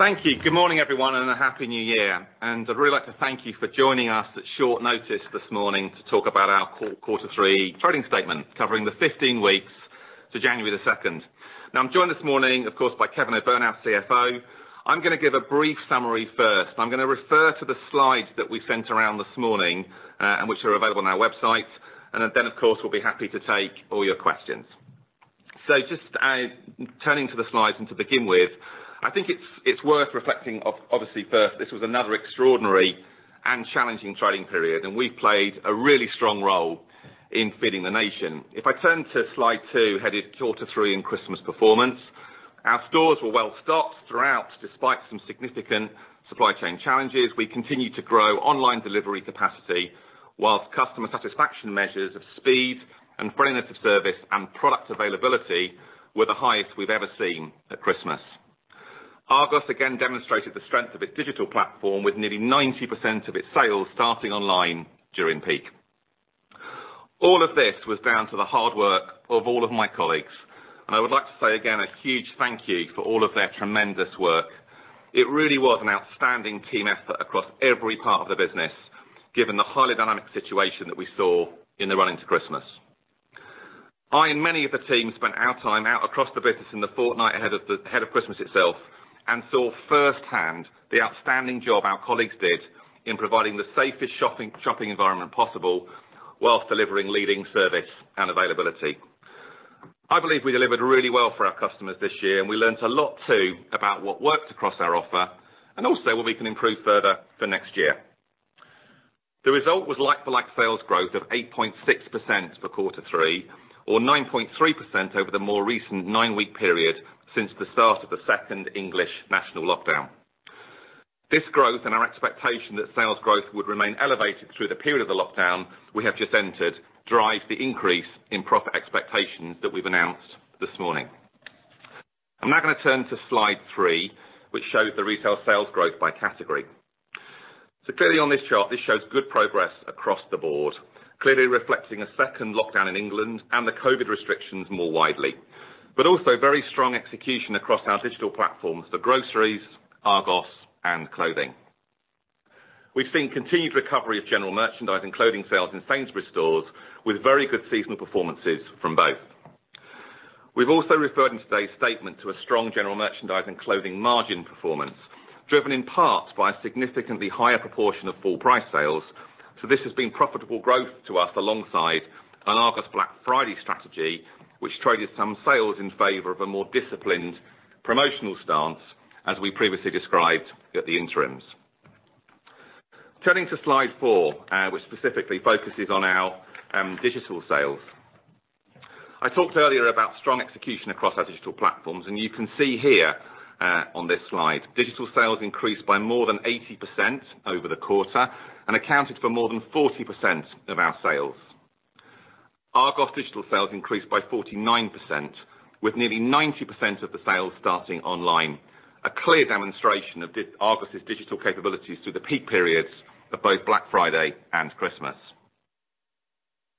Thank you. Good morning, everyone, and a happy new year. I'd really like to thank you for joining us at short notice this morning to talk about our quarter three trading statement covering the 15 weeks to January the 2nd. I'm joined this morning, of course, by Kevin O'Byrne, our CFO. I'm going to give a brief summary first. I'm going to refer to the slides that we sent around this morning, and which are available on our website. Of course, we'll be happy to take all your questions. Just turning to the slides to begin with. I think it's worth reflecting obviously first, this was another extraordinary and challenging trading period, and we played a really strong role in feeding the nation. If I turn to Slide two, headed Quarter Three and Christmas Performance, our stores were well-stocked throughout, despite some significant supply chain challenges. We continued to grow online delivery capacity, whilst customer satisfaction measures of speed and friendliness of service and product availability were the highest we've ever seen at Christmas. Argos again demonstrated the strength of its digital platform with nearly 90% of its sales starting online during peak. All of this was down to the hard work of all of my colleagues, I would like to say again, a huge thank you for all of their tremendous work. It really was an outstanding team effort across every part of the business, given the highly dynamic situation that we saw in the run into Christmas. I and many of the team spent our time out across the business in the fortnight ahead of Christmas itself, and saw firsthand the outstanding job our colleagues did in providing the safest shopping environment possible, while delivering leading service and availability. I believe we delivered really well for our customers this year, and we learned a lot too about what worked across our offer and also where we can improve further for next year. The result was like-for-like sales growth of 8.6% for quarter three, or 9.3% over the more recent nine-week period since the start of the second English national lockdown. This growth and our expectation that sales growth would remain elevated through the period of the lockdown we have just entered, drive the increase in profit expectations that we've announced this morning. I'm now going to turn to slide three, which shows the retail sales growth by category. Clearly on this chart, this shows good progress across the board. Clearly reflecting a second lockdown in England and the COVID restrictions more widely. Also very strong execution across our digital platforms for groceries, Argos, and clothing. We've seen continued recovery of general merchandise and clothing sales in Sainsbury's stores with very good seasonal performances from both. We've also referred in today's statement to a strong general merchandise and clothing margin performance, driven in part by a significantly higher proportion of full price sales. This has been profitable growth to us alongside an Argos Black Friday strategy, which traded some sales in favor of a more disciplined promotional stance, as we previously described at the interims. Turning to slide four, which specifically focuses on our digital sales. I talked earlier about strong execution across our digital platforms. You can see here, on this slide, digital sales increased by more than 80% over the quarter and accounted for more than 40% of our sales. Argos digital sales increased by 49%, with nearly 90% of the sales starting online. A clear demonstration of Argos's digital capabilities through the peak periods of both Black Friday and Christmas.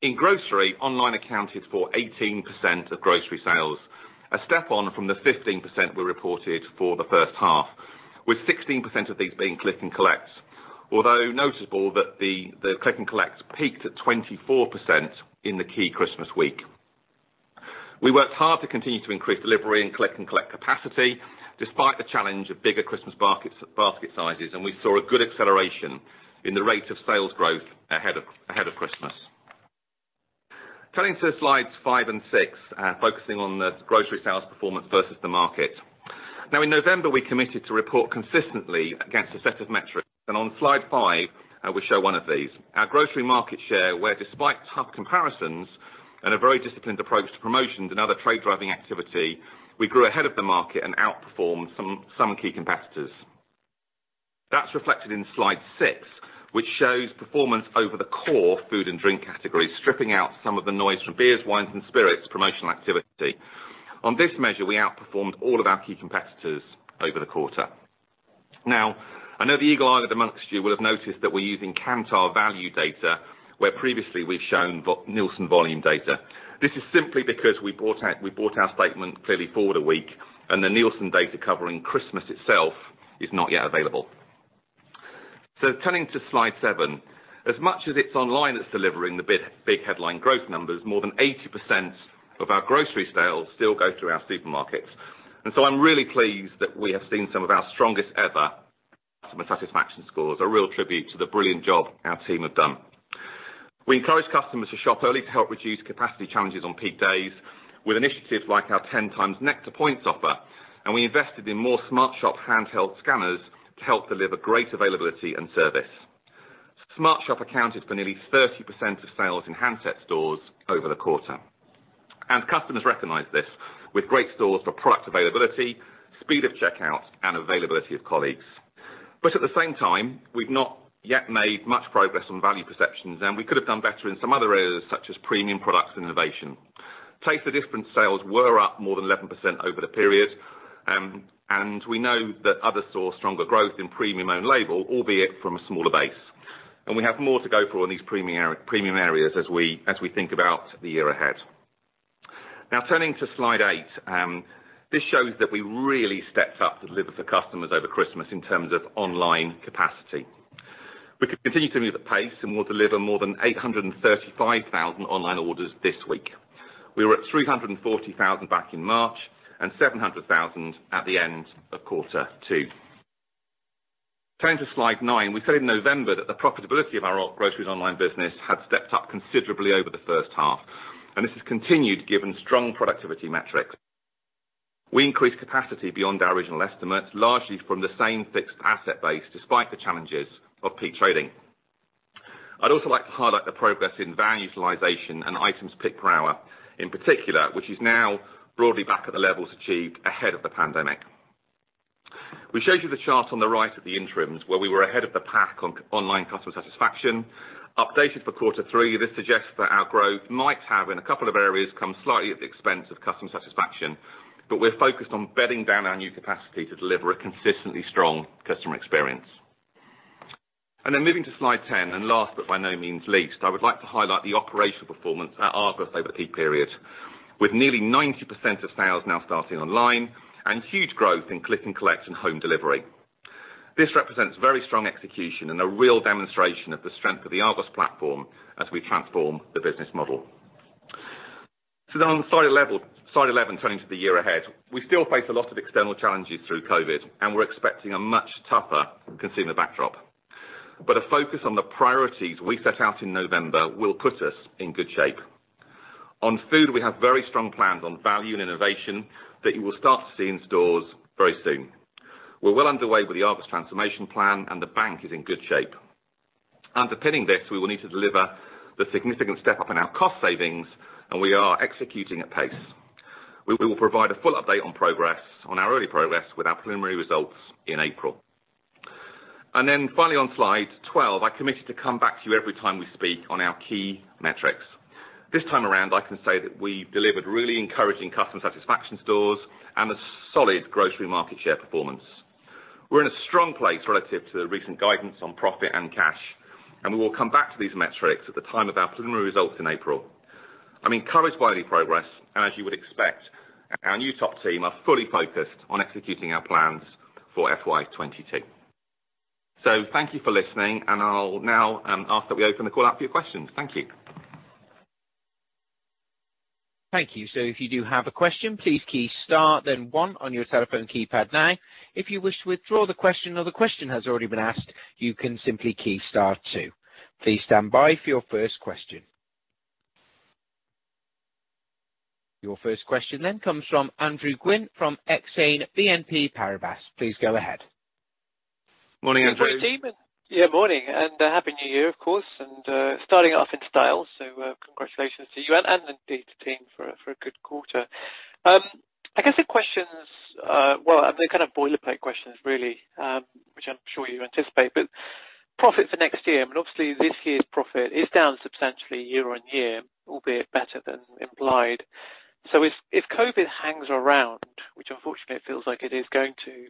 In grocery, online accounted for 18% of grocery sales, a step on from the 15% we reported for the first half, with 16% of these being Click and Collect. Notable that the Click and Collect peaked at 24% in the key Christmas week. We worked hard to continue to increase delivery and Click and Collect capacity, despite the challenge of bigger Christmas basket sizes. We saw a good acceleration in the rate of sales growth ahead of Christmas. Turning to slides five and six, focusing on the grocery sales performance versus the market. In November, we committed to report consistently against a set of metrics, and on slide five we show one of these. Our grocery market share, where despite tough comparisons and a very disciplined approach to promotions and other trade-driving activity, we grew ahead of the market and outperformed some key competitors. That's reflected in Slide six, which shows performance over the core food and drink categories, stripping out some of the noise from beers, wines, and spirits promotional activity. On this measure, we outperformed all of our key competitors over the quarter. I know the eagle-eyed amongst you will have noticed that we're using Kantar value data, where previously we've shown Nielsen volume data. This is simply because we brought our statement clearly forward a week. The Nielsen data covering Christmas itself is not yet available. Turning to slide seven. As much as it's online that's delivering the big headline growth numbers, more than 80% of our grocery sales still go through our supermarkets. I'm really pleased that we have seen some of our strongest ever customer satisfaction scores, a real tribute to the brilliant job our team have done. We encouraged customers to shop early to help reduce capacity challenges on peak days with initiatives like our 10x Nectar points offer. We invested in more SmartShop handheld scanners to help deliver great availability and service. SmartShop accounted for nearly 30% of sales in handset stores over the quarter. Customers recognized this with great scores for product availability, speed of checkout, and availability of colleagues. At the same time, we've not yet made much progress on value perceptions, and we could have done better in some other areas such as premium products and innovation. Taste the Difference sales were up more than 11% over the period, and we know that others saw stronger growth in premium own label, albeit from a smaller base. We have more to go for in these premium areas as we think about the year ahead. Now turning to slide eight. This shows that we really stepped up to deliver for customers over Christmas in terms of online capacity. We continue to move at pace, and we'll deliver more than 835,000 online orders this week. We were at 340,000 back in March and 700,000 at the end of quarter two. Turning to slide nine, we said in November that the profitability of our groceries online business had stepped up considerably over the first half, and this has continued given strong productivity metrics. We increased capacity beyond our original estimates, largely from the same fixed asset base, despite the challenges of peak trading. I'd also like to highlight the progress in van utilization and items picked per hour, in particular, which is now broadly back at the levels achieved ahead of the pandemic. We showed you the chart on the right at the interims where we were ahead of the pack on online customer satisfaction. Updated for quarter three, this suggests that our growth might have, in a couple of areas, come slightly at the expense of customer satisfaction. We're focused on bedding down our new capacity to deliver a consistently strong customer experience. Moving to slide 10, and last but by no means least, I would like to highlight the operational performance at Argos over the peak period. With nearly 90% of sales now starting online and huge growth in Click and Collect and home delivery. This represents very strong execution and a real demonstration of the strength of the Argos platform as we transform the business model. On slide 11, turning to the year ahead. We still face a lot of external challenges through COVID, and we're expecting a much tougher consumer backdrop. A focus on the priorities we set out in November will put us in good shape. On food, we have very strong plans on value and innovation that you will start to see in stores very soon. We're well underway with the Argos transformation plan, and the Bank is in good shape. Underpinning this, we will need to deliver the significant step-up in our cost savings, and we are executing at pace. We will provide a full update on our early progress with our preliminary results in April. Finally on slide 12, I committed to come back to you every time we speak on our key metrics. This time around, I can say that we've delivered really encouraging customer satisfaction scores and a solid grocery market share performance. We're in a strong place relative to the recent guidance on profit and cash, and we will come back to these metrics at the time of our preliminary results in April. I'm encouraged by the progress, and as you would expect, our new top team are fully focused on executing our plans for FY 2022. Thank you for listening, and I'll now ask that we open the call up for your questions. Thank you. Thank you, if you have a question, please key star then one on your telephone keypad, if you wish to withdraw your question or the question has already been answered you can simply key star two. Please standby for your first question. Thank you. Your first question comes from Andrew Gwynn from Exane BNP Paribas. Please go ahead. Morning, Andrew. Good morning, team. Morning, Happy New Year, of course, starting off in style. Congratulations to you and indeed the team for a good quarter. I guess the questions, well, they're kind of boilerplate questions really, which I'm sure you anticipate. Profit for next year, obviously this year's profit is down substantially year-on-year, albeit better than implied. If COVID hangs around, which unfortunately it feels like it is going to,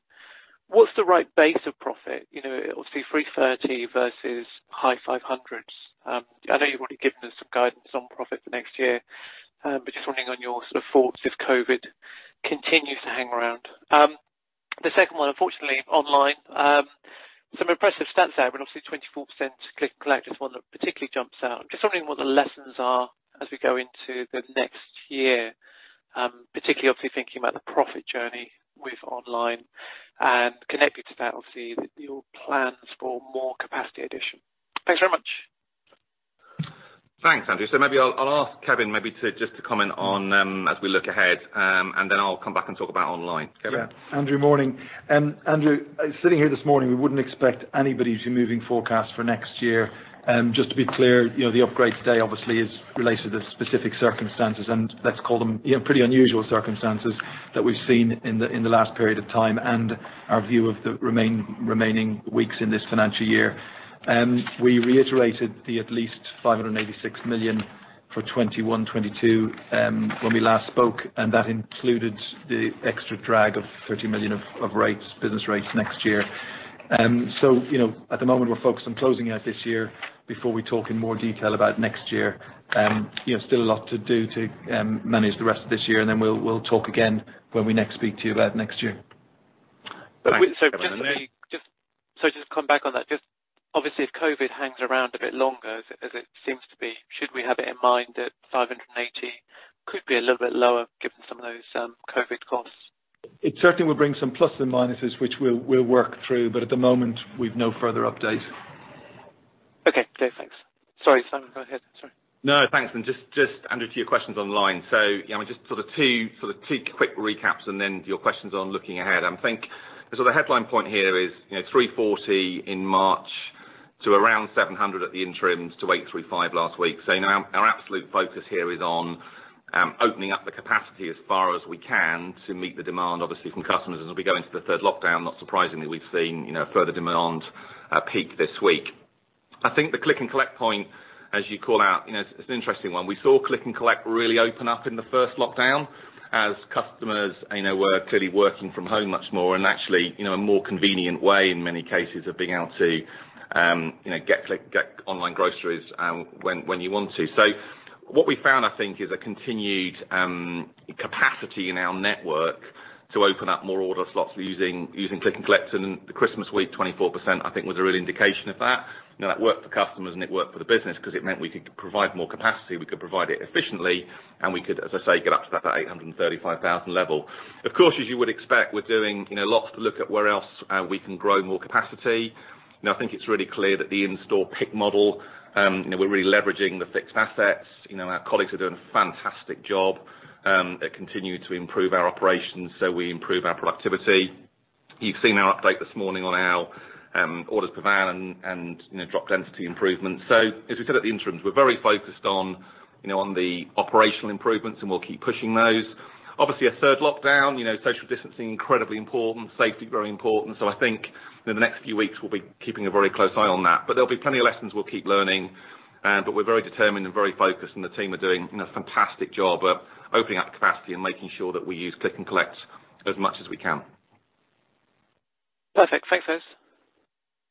what's the right base of profit? Obviously 330 versus high GBP 500s. I know you've already given us some guidance on profit for next year, but just wondering on your thoughts if COVID continues to hang around. The second one, unfortunately, online. Some impressive stats there, but obviously 24% Click and Collect is one that particularly jumps out. I'm just wondering what the lessons are as we go into the next year, particularly obviously thinking about the profit journey with online and connected to that, obviously, your plans for more capacity addition. Thanks very much. Thanks, Andrew. Maybe I'll ask Kevin maybe just to comment on as we look ahead, and then I'll come back and talk about online. Kevin? Andrew, morning. Andrew, sitting here this morning, we wouldn't expect anybody to be moving forecasts for next year. Just to be clear, the upgrade today obviously is related to specific circumstances, and let's call them pretty unusual circumstances that we've seen in the last period of time and our view of the remaining weeks in this financial year. We reiterated the at least 586 million for FY 2021/2022 when we last spoke, and that included the extra drag of 30 million of business rates next year. At the moment, we're focused on closing out this year before we talk in more detail about next year. Still a lot to do to manage the rest of this year, and then we'll talk again when we next speak to you about next year. Thanks, Kevin. Just to come back on that. Obviously, if COVID hangs around a bit longer as it seems to be, should we have it in mind that 580 could be a little bit lower given some of those COVID costs? It certainly will bring some plus and minuses, which we'll work through. At the moment, we've no further update. Okay. Clear. Thanks. Sorry, Simon, go ahead. Sorry. No, thanks. Just, Andrew, to your questions online. Just sort of two quick recaps and then your questions on looking ahead. I think the headline point here is 340 in March to around 700 at the interims to 835 last week. Our absolute focus here is on opening up the capacity as far as we can to meet the demand, obviously, from customers as we go into the third lockdown. Not surprisingly, we've seen further demand peak this week. I think the Click and Collect point, as you call out, it's an interesting one. We saw Click and Collect really open up in the first lockdown. As customers are now clearly working from home much more, and actually, in a more convenient way, in many cases, of being able to get online groceries when you want to. What we found, I think, is a continued capacity in our network to open up more order slots using Click and Collect in the Christmas week, 24% I think, was a real indication of that. That worked for customers, and it worked for the business because it meant we could provide more capacity, we could provide it efficiently, and we could, as I say, get up to that 835,000 level. Of course, as you would expect, we're doing lots to look at where else we can grow more capacity. I think it's really clear that the in-store pick model, we're really leveraging the fixed assets. Our colleagues are doing a fantastic job. They continue to improve our operations, so we improve our productivity. You've seen our update this morning on our orders per van and drop density improvements. As we said at the interims, we're very focused on the operational improvements, and we'll keep pushing those. Obviously, a third lockdown, social distancing, incredibly important, safety, very important. I think in the next few weeks, we'll be keeping a very close eye on that. There'll be plenty of lessons we'll keep learning. We're very determined and very focused, and the team are doing a fantastic job of opening up capacity and making sure that we use Click and Collect as much as we can. Perfect. Thanks, Simon.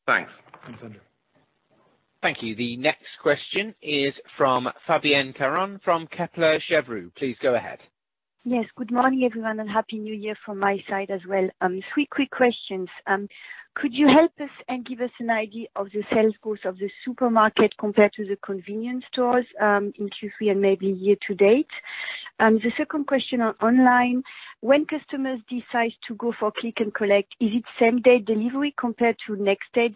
Thanks. Thanks, Andrew. Thank you. The next question is from Fabienne Caron from Kepler Cheuvreux. Please go ahead. Yes. Good morning, everyone, and happy New Year from my side as well. Three quick questions. Could you help us and give us an idea of the sales growth of the supermarket compared to the convenience stores in Q3 and maybe year to date? The second question on online, when customers decide to go for Click and Collect, is it same-day delivery compared to next day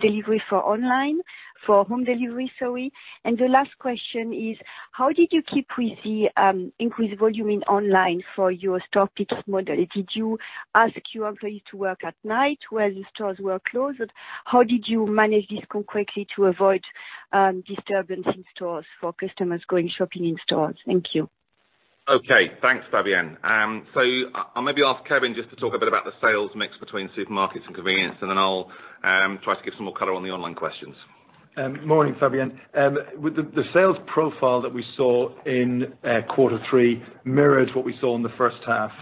delivery for home delivery? The last question is, how did you keep with the increased volume in online for your store pick model? Did you ask your employees to work at night while the stores were closed? How did you manage this concretely to avoid disturbance in stores for customers going shopping in stores? Thank you. Okay. Thanks, Fabienne. I'll maybe ask Kevin just to talk a bit about the sales mix between supermarkets and convenience, and then I'll try to give some more color on the online questions. Morning, Fabienne. The sales profile that we saw in quarter three mirrored what we saw in the first half.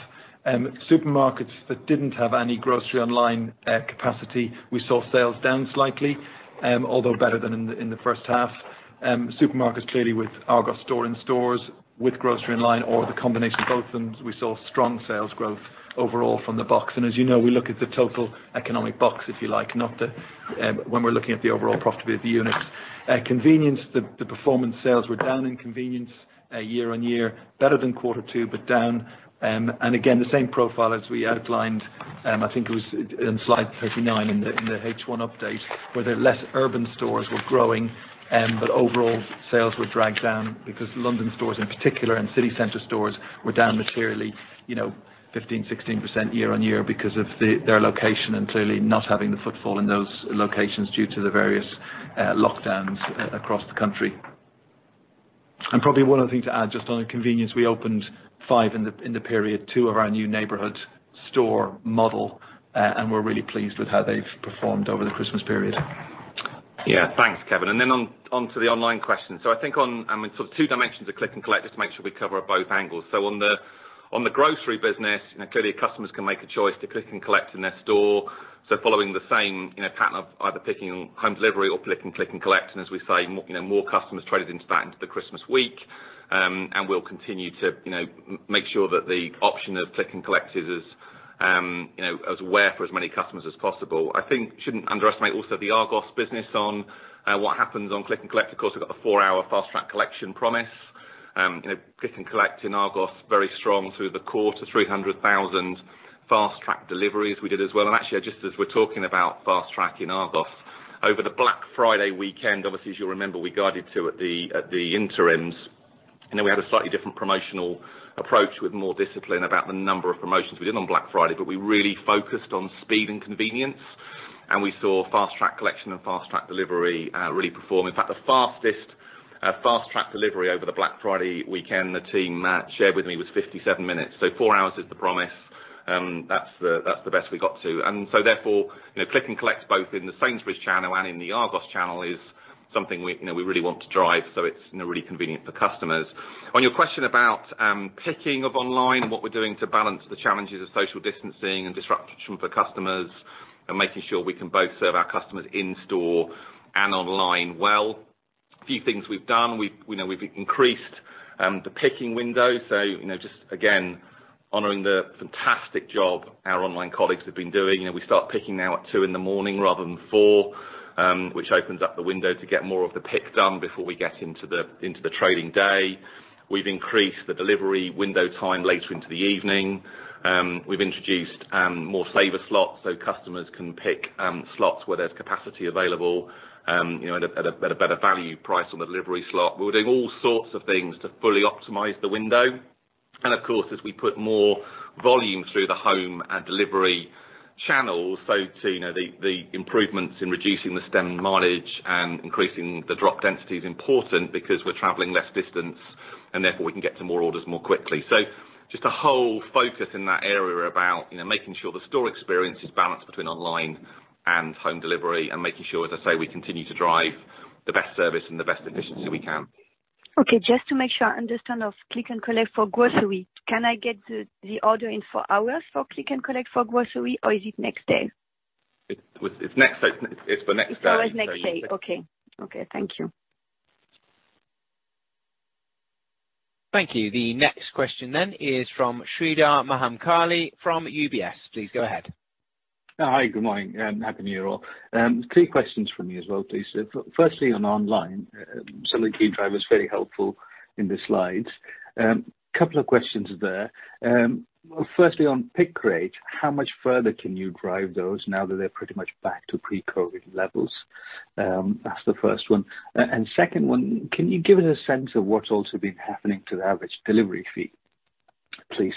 Supermarkets that didn't have any grocery online capacity, we saw sales down slightly, although better than in the first half. Supermarkets, clearly with Argos store-in-stores with grocery online or the combination of both of them, we saw strong sales growth overall from the box. As you know, we look at the total economic box, if you like, when we're looking at the overall profitability of the units. Convenience, the performance sales were down in convenience year-over-year, better than quarter two, but down. Again, the same profile as we outlined, I think it was in slide 39 in the H1 update, where the less urban stores were growing, but overall sales were dragged down because London stores in particular and city center stores were down materially 15, 16% year-over-year because of their location and clearly not having the footfall in those locations due to the various lockdowns across the country. Probably one other thing to add, just on the convenience, we opened five in the period, two of our new neighborhood store model, and we're really pleased with how they've performed over the Christmas period. Yeah. Thanks, Kevin. Then on to the online question. I think on sort of two dimensions of Click and Collect, just to make sure we cover both angles. On the grocery business, clearly customers can make a choice to Click and Collect in their store. Following the same pattern of either picking home delivery or clicking Click and Collect, and as we say, more customers traded into that into the Christmas week. We'll continue to make sure that the option of Click and Collect is as aware for as many customers as possible. I think shouldn't underestimate also the Argos business on what happens on Click and Collect. Of course, we've got the four-hour Fast Track collection promise. Click and Collect in Argos, very strong through the quarter, 300,000 Fast Track deliveries we did as well. Actually, just as we're talking about Fast Track in Argos, over the Black Friday weekend, obviously, as you'll remember, we guided to at the interims, then we had a slightly different promotional approach with more discipline about the number of promotions we did on Black Friday, but we really focused on speed and convenience, and we saw Fast Track collection and Fast Track delivery really perform. In fact, the fastest Fast Track delivery over the Black Friday weekend, the team shared with me was 57 minutes. Four hours is the promise. That's the best we got to. Therefore, Click and Collect both in the Sainsbury's channel and in the Argos channel is something we really want to drive, so it's really convenient for customers. On your question about picking of online and what we're doing to balance the challenges of social distancing and disruption for customers and making sure we can both serve our customers in store and online well, a few things we've done. We've increased the picking window. Just again, honoring the fantastic job our online colleagues have been doing. We start picking now at 2:00 A.M. rather than 4:00 A.M., which opens up the window to get more of the pick done before we get into the trading day. We've increased the delivery window time later into the evening. We've introduced more saver slots so customers can pick slots where there's capacity available at a better value price on the delivery slot. We're doing all sorts of things to fully optimize the window. Of course, as we put more volume through the home and delivery channels, the improvements in reducing the stem mileage and increasing the drop density is important because we're traveling less distance, and therefore we can get to more orders more quickly. Just a whole focus in that area about making sure the store experience is balanced between online and home delivery and making sure, as I say, we continue to drive the best service and the best efficiency we can. Okay, just to make sure I understand of Click and Collect for grocery. Can I get the order in four hours for Click and Collect for grocery, or is it next day? It's for next day. It's always next day. Okay. Thank you. Thank you. The next question then is from Sreedhar Mahamkali from UBS. Please go ahead. Hi, good morning and Happy New Year all. Three questions from me as well, please. Firstly, on online, some of the key drivers, very helpful in the slides. Couple of questions there. Firstly, on pick rate, how much further can you drive those now that they're pretty much back to pre-COVID levels? That's the first one. Second one, can you give us a sense of what's also been happening to the average delivery fee, please?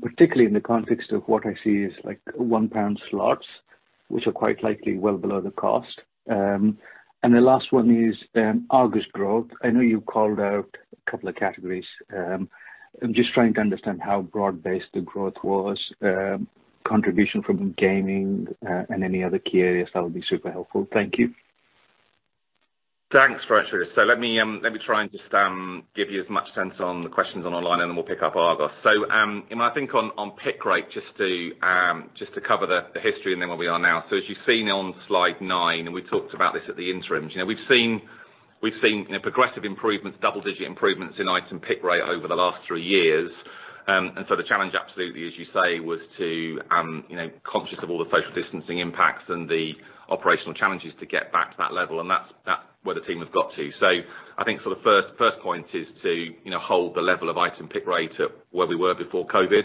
Particularly in the context of what I see as like 1 pound slots, which are quite likely well below the cost. The last one is Argos growth. I know you called out a couple of categories. I'm just trying to understand how broad-based the growth was, contribution from gaming and any other key areas. That would be super helpful. Thank you. Thanks. Let me try and just give you as much sense on the questions on online, then we'll pick up Argos. I think on pick rate, just to cover the history and then where we are now. As you've seen on slide nine, and we talked about this at the interims, we've seen progressive improvements, double-digit improvements in item pick rate over the last three years. The challenge absolutely, as you say, was to, conscious of all the social distancing impacts and the operational challenges to get back to that level, and that's where the team has got to. I think for the first point is to hold the level of item pick rate at where we were before COVID,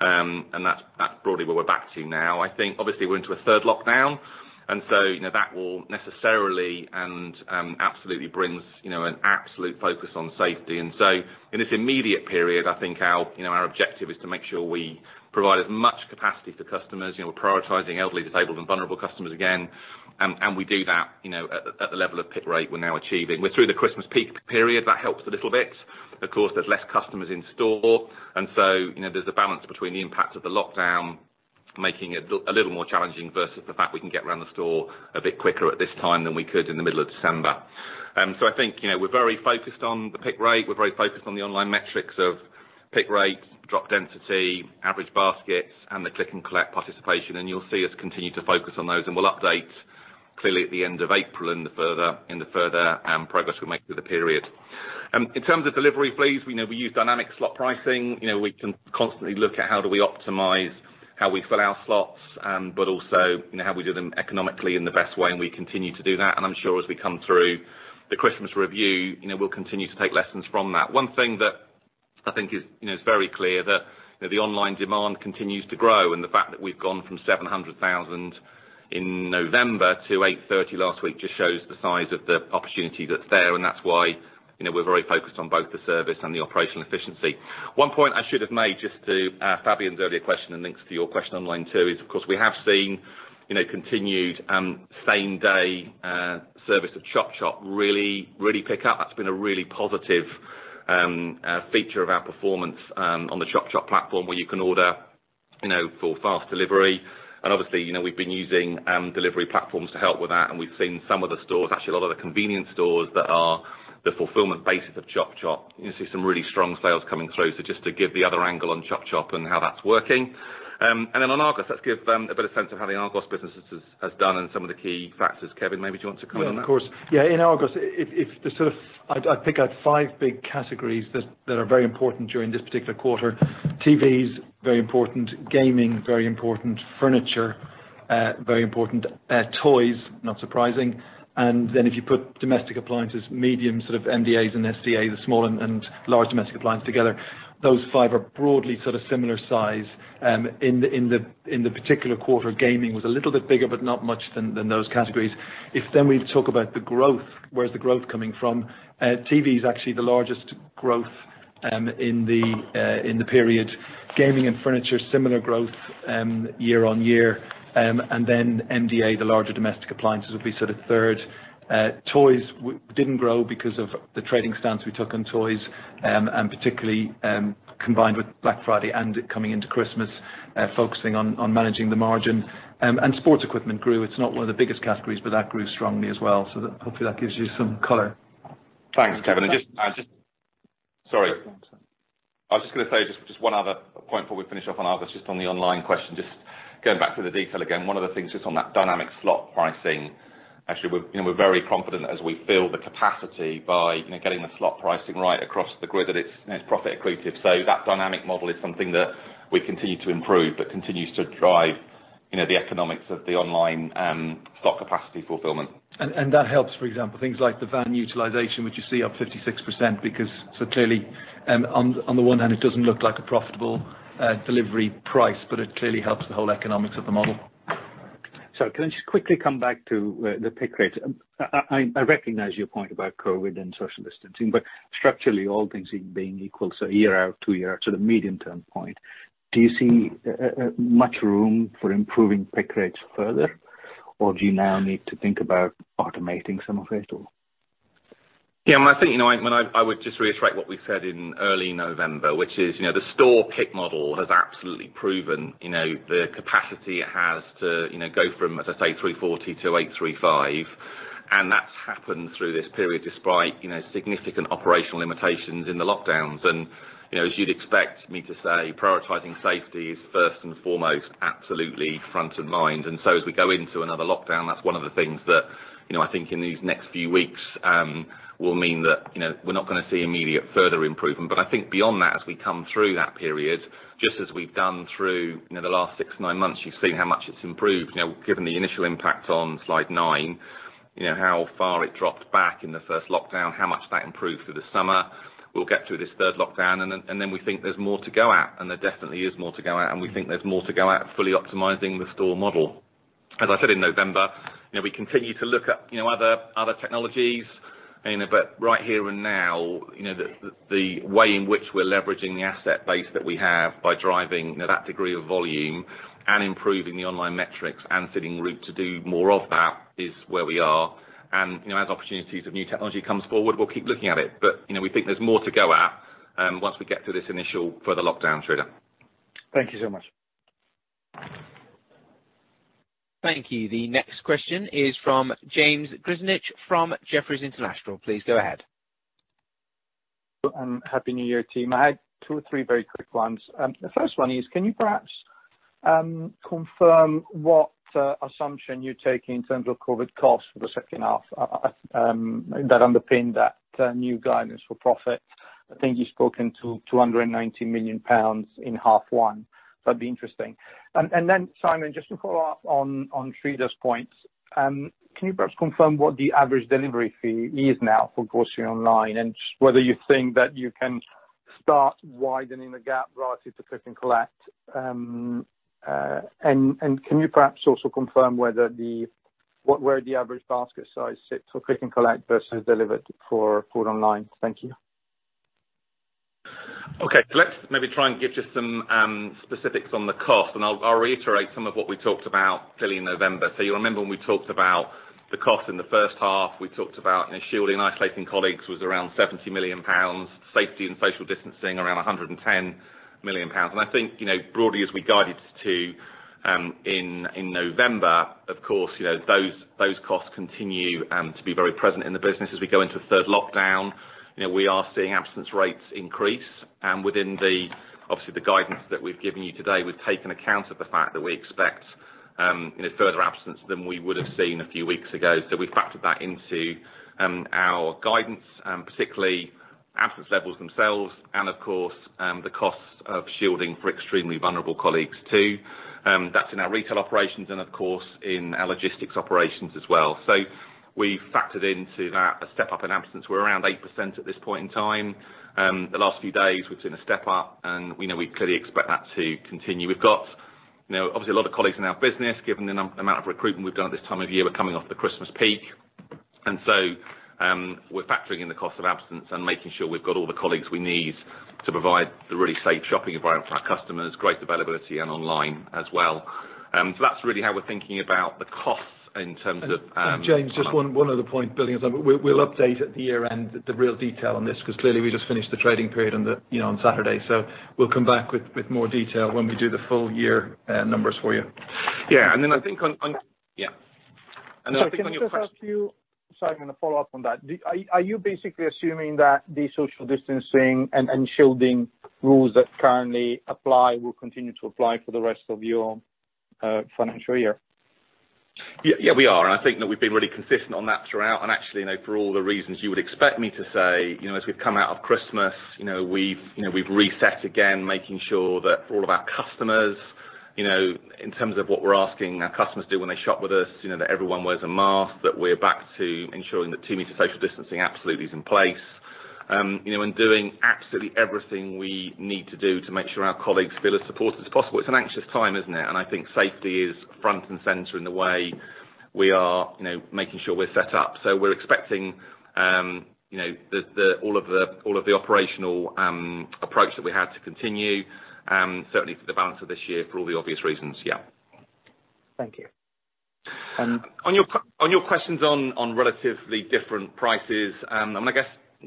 and that's broadly where we're back to now. I think obviously we're into a third lockdown, that will necessarily and absolutely brings an absolute focus on safety. In this immediate period, I think our objective is to make sure we provide as much capacity for customers. We're prioritizing elderly, disabled and vulnerable customers again, we do that at the level of pick rate we're now achieving. We're through the Christmas peak period. That helps a little bit. Of course, there's less customers in store, there's a balance between the impact of the lockdown making it a little more challenging versus the fact we can get around the store a bit quicker at this time than we could in the middle of December. I think we're very focused on the pick rate. We're very focused on the online metrics of pick rate, drop density, average baskets and the Click and Collect participation, and you'll see us continue to focus on those, and we'll update clearly at the end of April in the further progress we make through the period. In terms of delivery fees, we use dynamic slot pricing. We can constantly look at how do we optimize how we fill our slots, but also how we do them economically in the best way and we continue to do that. I'm sure as we come through the Christmas review, we'll continue to take lessons from that. One thing that I think is very clear that the online demand continues to grow and the fact that we've gone from 700,000 in November to 830 last week just shows the size of the opportunity that's there. That's why we're very focused on both the service and the operational efficiency. One point I should have made, just to Fabienne's earlier question and links to your question online too, is of course we have seen continued same-day service at Chop Chop really pick up. That's been a really positive feature of our performance on the Chop Chop platform, where you can order for fast delivery. Obviously, we've been using delivery platforms to help with that, and we've seen some of the stores, actually a lot of the convenience stores that are the fulfillment basis of Chop Chop, you see some really strong sales coming through. Just to give the other angle on Chop Chop and how that's working. Then on Argos, let's give a better sense of how the Argos business has done and some of the key factors. Kevin, maybe do you want to comment on that? Yeah, of course. In Argos, I'd pick out five big categories that are very important during this particular quarter. TVs, very important. Gaming, very important. Furniture, very important. Toys, not surprising. Then if you put domestic appliances, medium sort of MDAs and SDAs, the small and large domestic appliances together, those five are broadly sort of similar size. In the particular quarter, Gaming was a little bit bigger, but not much than those categories. If then we talk about the growth, where's the growth coming from? TV is actually the largest growth in the period. Gaming and furniture, similar growth year-on-year. Then MDA, the larger domestic appliances would be sort of third. Toys didn't grow because of the trading stance we took on toys and particularly combined with Black Friday and coming into Christmas, focusing on managing the margin. Sports equipment grew. It's not one of the biggest categories, but that grew strongly as well. Hopefully that gives you some color. Thanks, Kevin. Sorry. I was just going to say just one other point before we finish off on Argos, just on the online question, just going back to the detail again. One of the things just on that dynamic slot pricing, actually, we're very confident as we build the capacity by getting the slot pricing right across the grid that it's profit accretive. That dynamic model is something that we continue to improve but continues to drive the economics of the online slot capacity fulfillment. That helps, for example, things like the van utilization, which you see up 56%, because so clearly on the one hand, it doesn't look like a profitable delivery price, but it clearly helps the whole economics of the model. Sorry, can I just quickly come back to the pick rate? I recognize your point about COVID and social distancing, but structurally, all things being equal, so year out, two year out, so the medium term point, do you see much room for improving pick rates further, or do you now need to think about automating some of it or? I would just reiterate what we said in early November, which is the store pick model has absolutely proven the capacity it has to go from, as I say, 340-835. That has happened through this period despite significant operational limitations in the lockdowns. As you would expect me to say, prioritizing safety is first and foremost, absolutely front of mind. As we go into another lockdown, that is one of the things that I think in these next few weeks will mean that we are not going to see immediate further improvement. I think beyond that, as we come through that period, just as we have done through the last six to nine months, you have seen how much it has improved. Given the initial impact on slide nine, how far it dropped back in the first lockdown, how much that improved through the summer. We'll get through this third lockdown. Then we think there's more to go at, and there definitely is more to go at. We think there's more to go at, fully optimizing the store model. As I said in November, we continue to look at other technologies, but right here and now, the way in which we're leveraging the asset base that we have by driving that degree of volume and improving the online metrics and setting route to do more of that is where we are. As opportunities of new technology comes forward, we'll keep looking at it. We think there's more to go at once we get through this initial further lockdown, Sreedhar. Thank you so much. Thank you. The next question is from James Grzinic from Jefferies & Company. Please go ahead. Happy New Year team. I had two or three very quick ones. The first one is, can you perhaps confirm what assumption you're taking in terms of COVID costs for the second half that underpin that new guidance for profit? I think you've spoken to 290 million pounds in half one. That'd be interesting. Simon, just to follow up on Sreedhar's points, can you perhaps confirm what the average delivery fee is now for grocery online, and whether you think that you can start widening the gap relative to Click and Collect? Can you perhaps also confirm where the average basket size sits for Click and Collect versus delivered for food online? Thank you. Okay. Let's maybe try and give just some specifics on the cost, and I'll reiterate some of what we talked about clearly in November. You remember when we talked about the cost in the first half, we talked about shielding, isolating colleagues was around 70 million pounds, safety and social distancing around 110 million pounds. I think, broadly as we guided to in November, of course, those costs continue to be very present in the business as we go into the third lockdown. We are seeing absence rates increase. Within obviously the guidance that we've given you today, we've taken account of the fact that we expect further absence than we would have seen a few weeks ago. We factored that into our guidance, particularly absence levels themselves and, of course, the cost of shielding for extremely vulnerable colleagues, too. That's in our retail operations and, of course, in our logistics operations as well. We factored into that a step up in absence. We're around 8% at this point in time. The last few days, we've seen a step up, and we clearly expect that to continue. We've got obviously a lot of colleagues in our business, given the amount of recruitment we've done this time of year. We're coming off the Christmas peak. we're factoring in the cost of absence and making sure we've got all the colleagues we need to provide the really safe shopping environment for our customers, great availability and online as well. That's really how we're thinking about the costs in terms of- James, just one other point, building on something. We'll update at the year-end the real detail on this, because clearly we just finished the trading period on Saturday. We'll come back with more detail when we do the full year numbers for you. Yeah. Sorry, can I just ask you, Simon, a follow-up on that. Are you basically assuming that the social distancing and shielding rules that currently apply will continue to apply for the rest of your financial year? Yeah, we are. I think that we've been really consistent on that throughout. Actually, for all the reasons you would expect me to say, as we've come out of Christmas, we've reset again, making sure that for all of our customers, in terms of what we're asking our customers do when they shop with us, that everyone wears a mask, that we're back to ensuring that two-meter social distancing absolutely is in place. Doing absolutely everything we need to do to make sure our colleagues feel as supported as possible. It's an anxious time, isn't it? I think safety is front and center in the way we are making sure we're set up. We're expecting all of the operational approach that we had to continue, certainly for the balance of this year, for all the obvious reasons. Yeah. Thank you. On your questions on relatively different prices,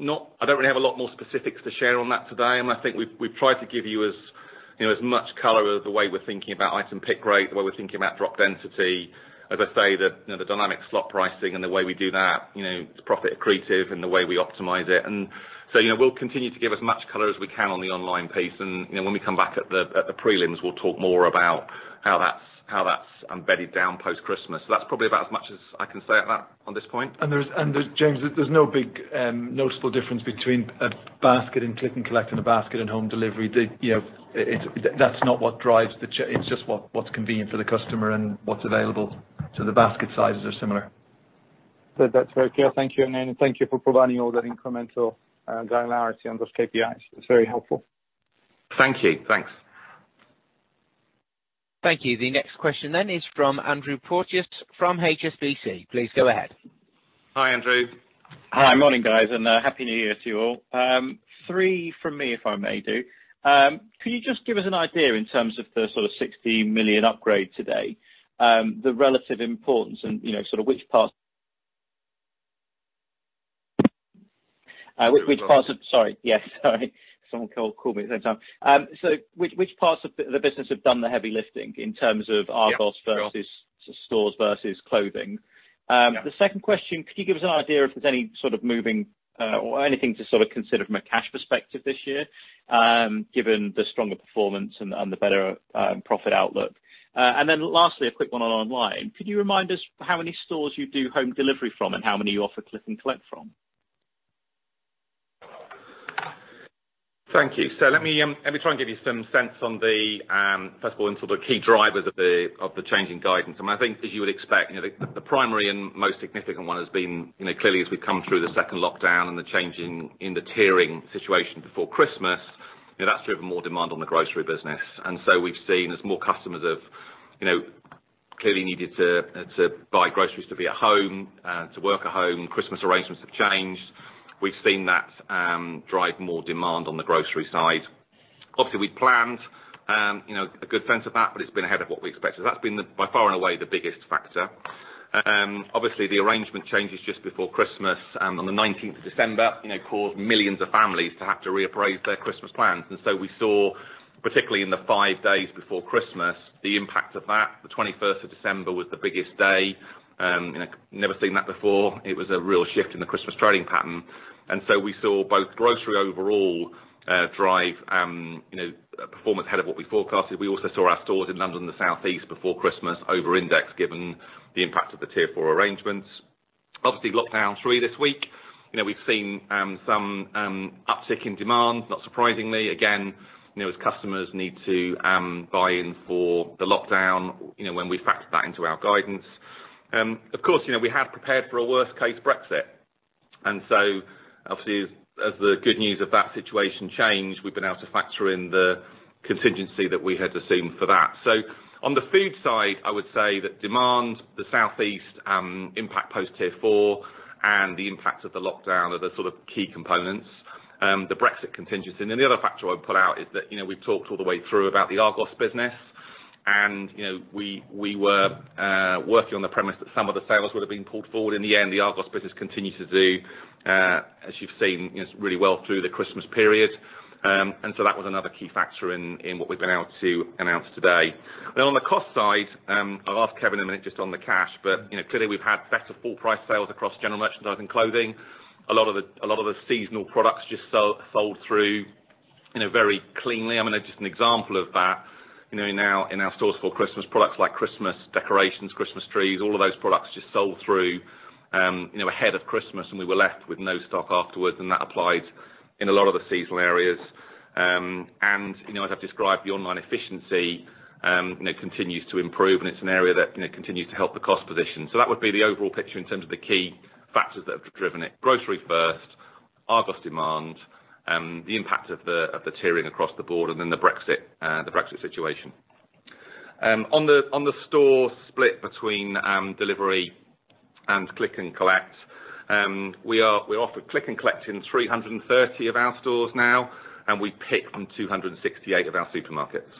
I don't really have a lot more specifics to share on that today. I think we've tried to give you as much color of the way we're thinking about item pick rate, the way we're thinking about drop density. As I say, the dynamic slot pricing and the way we do that, it's profit accretive and the way we optimize it. We'll continue to give as much color as we can on the online piece. When we come back at the prelims, we'll talk more about how that's embedded down post-Christmas. That's probably about as much as I can say on that on this point. James, there's no big noticeable difference between a basket in Click and Collect and a basket in home delivery. That's not what drives. It's just what's convenient for the customer and what's available. The basket sizes are similar. That's very clear. Thank you. Thank you for providing all that incremental granularity on those KPIs. It's very helpful. Thank you. Thanks. Thank you. The next question then is from Andrew Porteous from HSBC. Please go ahead. Hi, Andrew. Hi. Morning, guys. Happy New Year to you all. Three from me, if I may do. Could you just give us an idea in terms of the sort of 60 million upgrade today, the relative importance. Sorry. Yes, sorry. Someone called me at the same time. Which parts of the business have done the heavy lifting in terms of Argos- Yeah, sure. versus stores, versus clothing? Yeah. The second question, could you give us an idea if there's any moving or anything to consider from a cash perspective this year, given the stronger performance and the better profit outlook? Lastly, a quick one on online. Could you remind us how many stores you do home delivery from, and how many you offer Click and Collect from? Thank you. Let me try and give you some sense on the, first of all, key drivers of the change in guidance. I think as you would expect, the primary and most significant one has been, clearly as we come through the second lockdown and the change in the tiering situation before Christmas, that's driven more demand on the grocery business. We've seen as more customers have clearly needed to buy groceries to be at home, to work at home, Christmas arrangements have changed. We've seen that drive more demand on the grocery side. Obviously, we'd planned a good sense of that, but it's been ahead of what we expected. That's been, by far and away, the biggest factor. Obviously, the arrangement changes just before Christmas, on the 19th of December, caused millions of families to have to reappraise their Christmas plans. We saw, particularly in the five days before Christmas, the impact of that. The 21st of December was the biggest day. Never seen that before. It was a real shift in the Christmas trading pattern. We saw both grocery overall drive performance ahead of what we forecasted. We also saw our stores in London and the Southeast before Christmas overindex, given the impact of the Tier 4 arrangements. Obviously, Lockdown three this week, we've seen some uptick in demand, not surprisingly, again, as customers need to buy in for the lockdown, when we factor that into our guidance. Of course, we had prepared for a worst case Brexit. Obviously, as the good news of that situation changed, we've been able to factor in the contingency that we had assumed for that. On the food side, I would say that demand, the Southeast impact post Tier 4, and the impact of the lockdown are the key components, the Brexit contingency. The other factor I would put out is that we've talked all the way through about the Argos business. We were working on the premise that some of the sales would've been pulled forward. In the end, the Argos business continued to do, as you've seen, really well through the Christmas period. That was another key factor in what we've been able to announce today. On the cost side, I'll ask Kevin in a minute just on the cash, but clearly we've had better full price sales across general merchandise and clothing. A lot of the seasonal products just sold through very cleanly. Just an example of that, in our stores for Christmas, products like Christmas decorations, Christmas trees, all of those products just sold through ahead of Christmas, and we were left with no stock afterwards, and that applied in a lot of the seasonal areas. As I've described, the online efficiency continues to improve, it's an area that continues to help the cost position. That would be the overall picture in terms of the key factors that have driven it. Grocery first, Argos demand, the impact of the tiering across the board, then the Brexit situation. On the store split between delivery and Click and Collect, we offer Click and Collect in 330 of our stores now, and we pick from 268 of our supermarkets.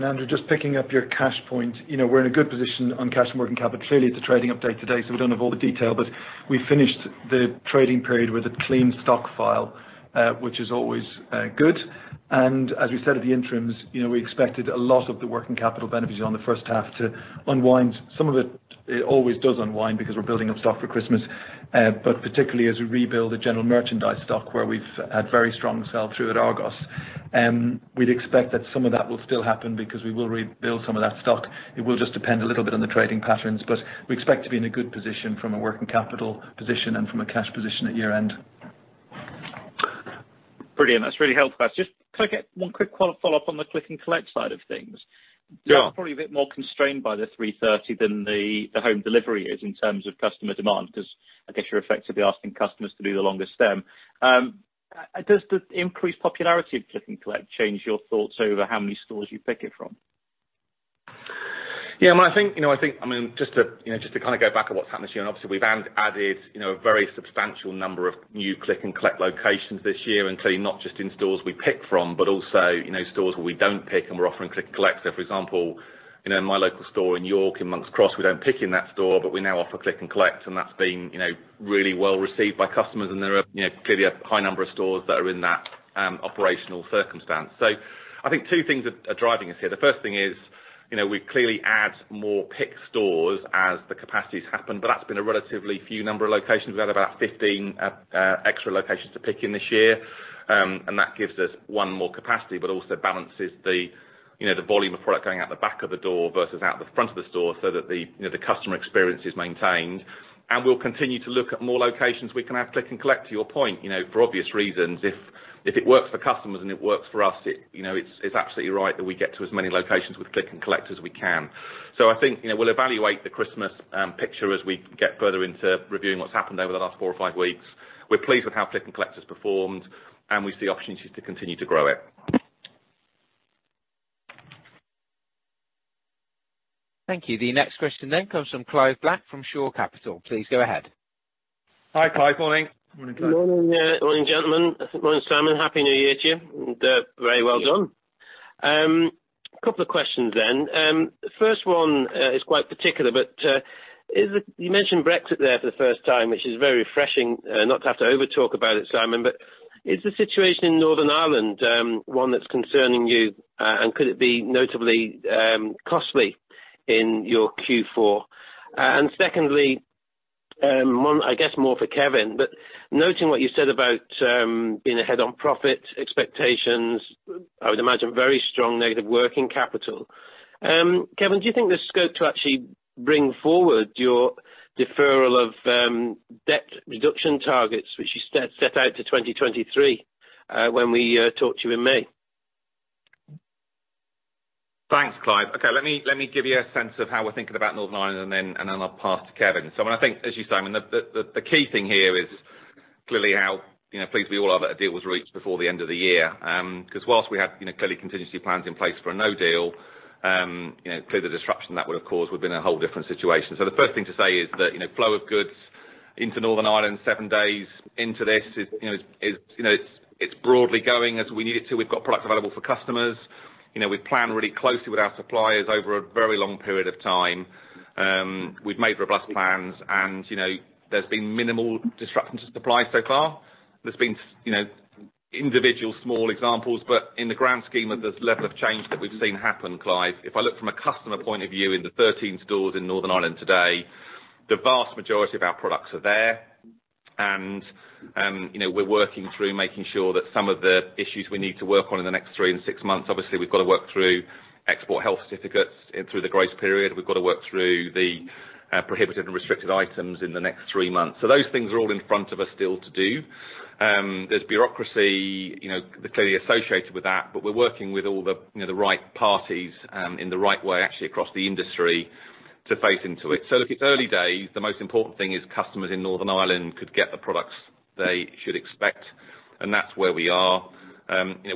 Andrew, just picking up your cash point. We're in a good position on cash and working capital. Clearly, it's a trading update today, so we don't have all the detail, but we finished the trading period with a clean stock file, which is always good. As we said at the interims, we expected a lot of the working capital benefits on the first half to unwind. Some of it always does unwind, because we're building up stock for Christmas. Particularly as we rebuild the general merchandise stock, where we've had very strong sell through at Argos, we'd expect that some of that will still happen because we will rebuild some of that stock. It will just depend a little bit on the trading patterns. We expect to be in a good position from a working capital position and from a cash position at year-end. Brilliant. That's really helpful. Can I get one quick follow-up on the Click and Collect side of things? Yeah. That's probably a bit more constrained by the 330 than the home delivery is in terms of customer demand, because I guess you're effectively asking customers to do the longest stem. Does the increased popularity of Click and Collect change your thoughts over how many stores you pick it from? Yeah. Just to go back on what's happened this year, and obviously we've added a very substantial number of new Click and Collect locations this year, including not just in stores we pick from, but also stores where we don't pick and we're offering Click and Collect. For example, my local store in York, in Monks Cross, we don't pick in that store, but we now offer Click and Collect, and that's been really well received by customers, and there are clearly a high number of stores that are in that operational circumstance. I think two things are driving us here. The first thing is, we clearly add more pick stores as the capacities happen, but that's been a relatively few number of locations. We've added about 15 extra locations to pick in this year. That gives us one more capacity, but also balances the volume of product going out the back of the door versus out the front of the store so that the customer experience is maintained. We'll continue to look at more locations we can add Click and Collect. To your point, for obvious reasons, if it works for customers and it works for us, it's absolutely right that we get to as many locations with Click and Collect as we can. I think we'll evaluate the Christmas picture as we get further into reviewing what's happened over the last four or five weeks. We're pleased with how Click and Collect has performed, and we see opportunities to continue to grow it. Thank you. The next question comes from Clive Black from Shore Capital. Please go ahead. Hi, Clive. Morning. Morning, Clive. Good morning, gentlemen. Morning, Simon. Happy New Year to you. Very well done. A couple of questions then. First one is quite particular, but you mentioned Brexit there for the first time, which is very refreshing not to have to over talk about it, Simon, but is the situation in Northern Ireland one that's concerning you, and could it be notably costly in your Q4? Secondly, I guess more for Kevin, but noting what you said about being ahead on profit expectations, I would imagine very strong negative working capital. Kevin, do you think there's scope to actually bring forward your deferral of debt reduction targets, which you set out to 2023, when we talked to you in May? Thanks, Clive. Okay, let me give you a sense of how we're thinking about Northern Ireland and then I'll pass to Kevin. I think, as you, Clive, the key thing here is clearly how pleased we all are that a deal was reached before the end of the year. Because whilst we had clearly contingency plans in place for a no deal, clear the disruption that would have caused, we'd be in a whole different situation. The first thing to say is that, flow of goods into Northern Ireland, seven days into this, it's broadly going as we need it to. We've got products available for customers. We planned really closely with our suppliers over a very long period of time. We've made robust plans and there's been minimal disruption to supply so far. There's been individual small examples, in the grand scheme of the level of change that we've seen happen, Clive, if I look from a customer point of view in the 13 stores in Northern Ireland today, the vast majority of our products are there and we're working through making sure that some of the issues we need to work on in the next three and six months. We've got to work through Export Health Certificates in through the grace period. We've got to work through the prohibitive and restricted items in the next three months. Those things are all in front of us still to do. There's bureaucracy clearly associated with that, but we're working with all the right parties in the right way, actually across the industry to face into it. Look, it's early days. The most important thing is customers in Northern Ireland could get the products they should expect, and that's where we are.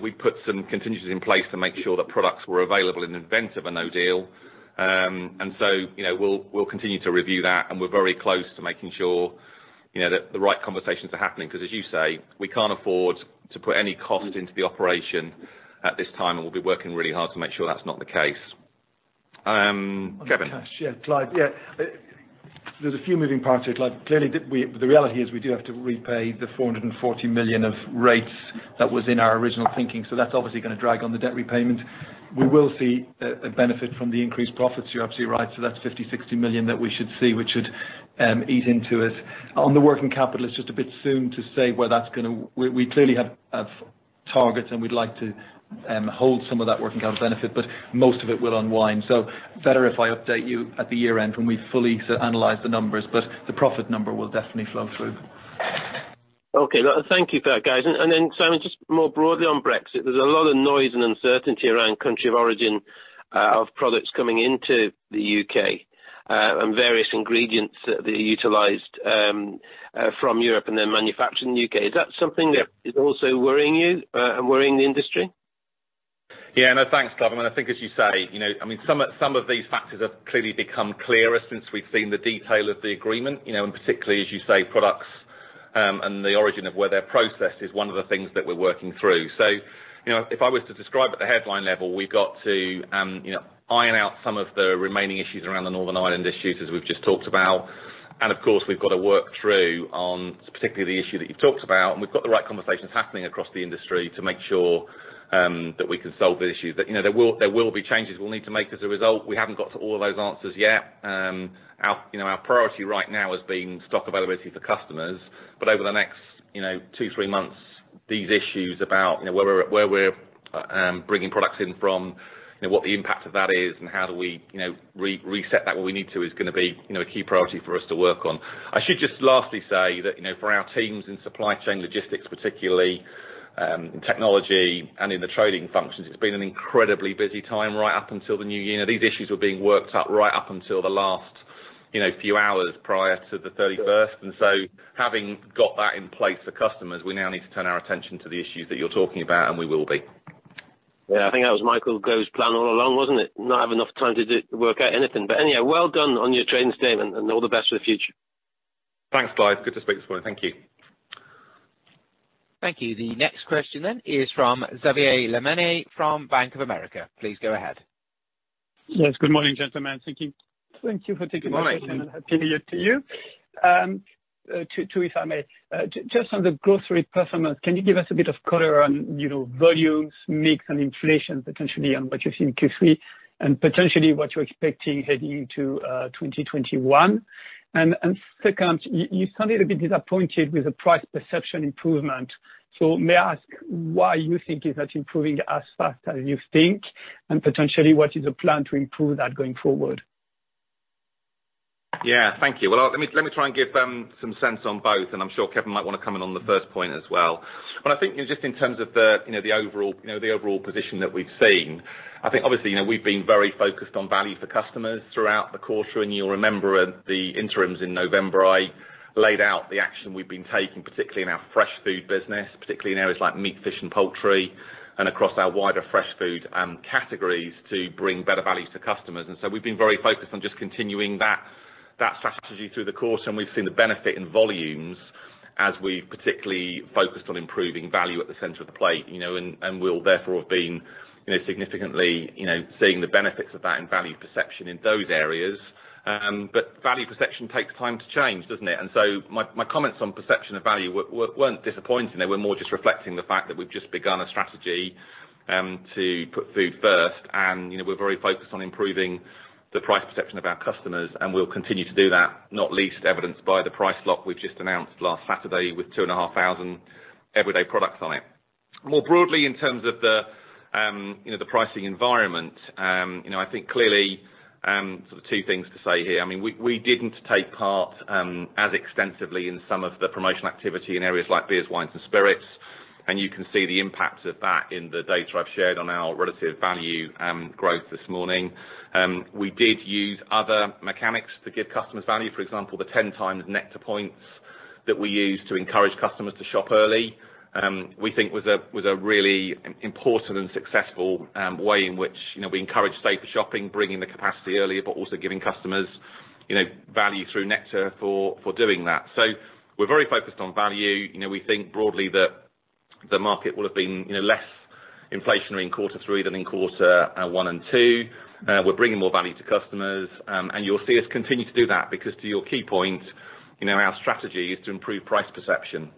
We put some contingencies in place to make sure that products were available in event of a no deal. We'll continue to review that, and we're very close to making sure that the right conversations are happening. Because as you say, we can't afford to put any cost into the operation at this time, and we'll be working really hard to make sure that's not the case. Kevin? Yeah, Clive. There's a few moving parts here, Clive. Clearly, the reality is we do have to repay the 440 million of rates that was in our original thinking. That's obviously going to drag on the debt repayment. We will see a benefit from the increased profits, you're absolutely right. That's 50 million-60 million that we should see which should ease into it. On the working capital, it's just a bit soon to say where that's going. We clearly have targets and we'd like to hold some of that working capital benefit, most of it will unwind. Better if I update you at the year-end when we fully analyze the numbers, the profit number will definitely flow through. Okay. Thank you for that, guys. Then Simon, just more broadly on Brexit, there's a lot of noise and uncertainty around country of origin of products coming into the U.K. and various ingredients that are utilized from Europe and then manufactured in the U.K. Is that something that is also worrying you and worrying the industry? Yeah, no, thanks, Clive. I think as you say, some of these factors have clearly become clearer since we've seen the detail of the agreement, and particularly, as you say, products and the origin of where they're processed is one of the things that we're working through. If I was to describe at the headline level, we've got to iron out some of the remaining issues around the Northern Ireland issues as we've just talked about. Of course, we've got to work through on particularly the issue that you've talked about, and we've got the right conversations happening across the industry to make sure that we can solve the issues. There will be changes we'll need to make as a result. We haven't got to all of those answers yet. Our priority right now has been stock availability for customers. Over the next two, three months, these issues about where we're bringing products in from, what the impact of that is, and how do we reset that where we need to is going to be a key priority for us to work on. I should just lastly say that for our teams in supply chain logistics particularly, in technology and in the trading functions, it's been an incredibly busy time right up until the new year. These issues were being worked up right up until the last few hours prior to the 31st. Having got that in place for customers, we now need to turn our attention to the issues that you're talking about, and we will be. Yeah, I think that was Michael Gove's plan all along, wasn't it? Not have enough time to work out anything. Anyhow, well done on your trading statement and all the best for the future. Thanks, Clive. Good to speak this morning. Thank you. Thank you. The next question then is from Xavier Le Mené from Bank of America. Please go ahead. Yes, good morning, gentlemen. Thank you. Thank you for taking my question. Good morning. Happy New Year to you. Two if I may. Just on the grocery performance, can you give us a bit of color on volumes, mix, and inflation potentially on what you see in Q3, and potentially what you're expecting heading into 2021? Second, you sounded a bit disappointed with the price perception improvement. May I ask why you think is that improving as fast as you think, and potentially what is the plan to improve that going forward? Yeah, thank you. Well, let me try and give some sense on both, and I'm sure Kevin might want to come in on the first point as well. I think just in terms of the overall position that we've seen, I think obviously, we've been very focused on value for customers throughout the quarter, and you'll remember at the interims in November, I laid out the action we've been taking, particularly in our fresh food business, particularly in areas like meat, fish, and poultry, and across our wider fresh food categories to bring better value to customers. We've been very focused on just continuing that strategy through the course, and we've seen the benefit in volumes. As we've particularly focused on improving value at the center of the plate, and we'll therefore have been significantly seeing the benefits of that in value perception in those areas. Value perception takes time to change, doesn't it? My comments on perception of value weren't disappointing, they were more just reflecting the fact that we've just begun a strategy to put food first, and we're very focused on improving the price perception of our customers, and we'll continue to do that, not least evidenced by the Price Lock we've just announced last Saturday with 2,500 everyday products on it. More broadly, in terms of the pricing environment, I think clearly sort of two things to say here. We didn't take part as extensively in some of the promotional activity in areas like beers, wines and spirits, and you can see the impact of that in the data I've shared on our relative value growth this morning. We did use other mechanics to give customers value. For example, the 10 times Nectar points that we used to encourage customers to shop early, we think was a really important and successful way in which we encourage safer shopping, bringing the capacity earlier, but also giving customers value through Nectar for doing that. We're very focused on value. We think broadly that the market will have been less inflationary in quarter three than in quarter one and two. We're bringing more value to customers, you'll see us continue to do that because to your key point, our strategy is to improve price perception.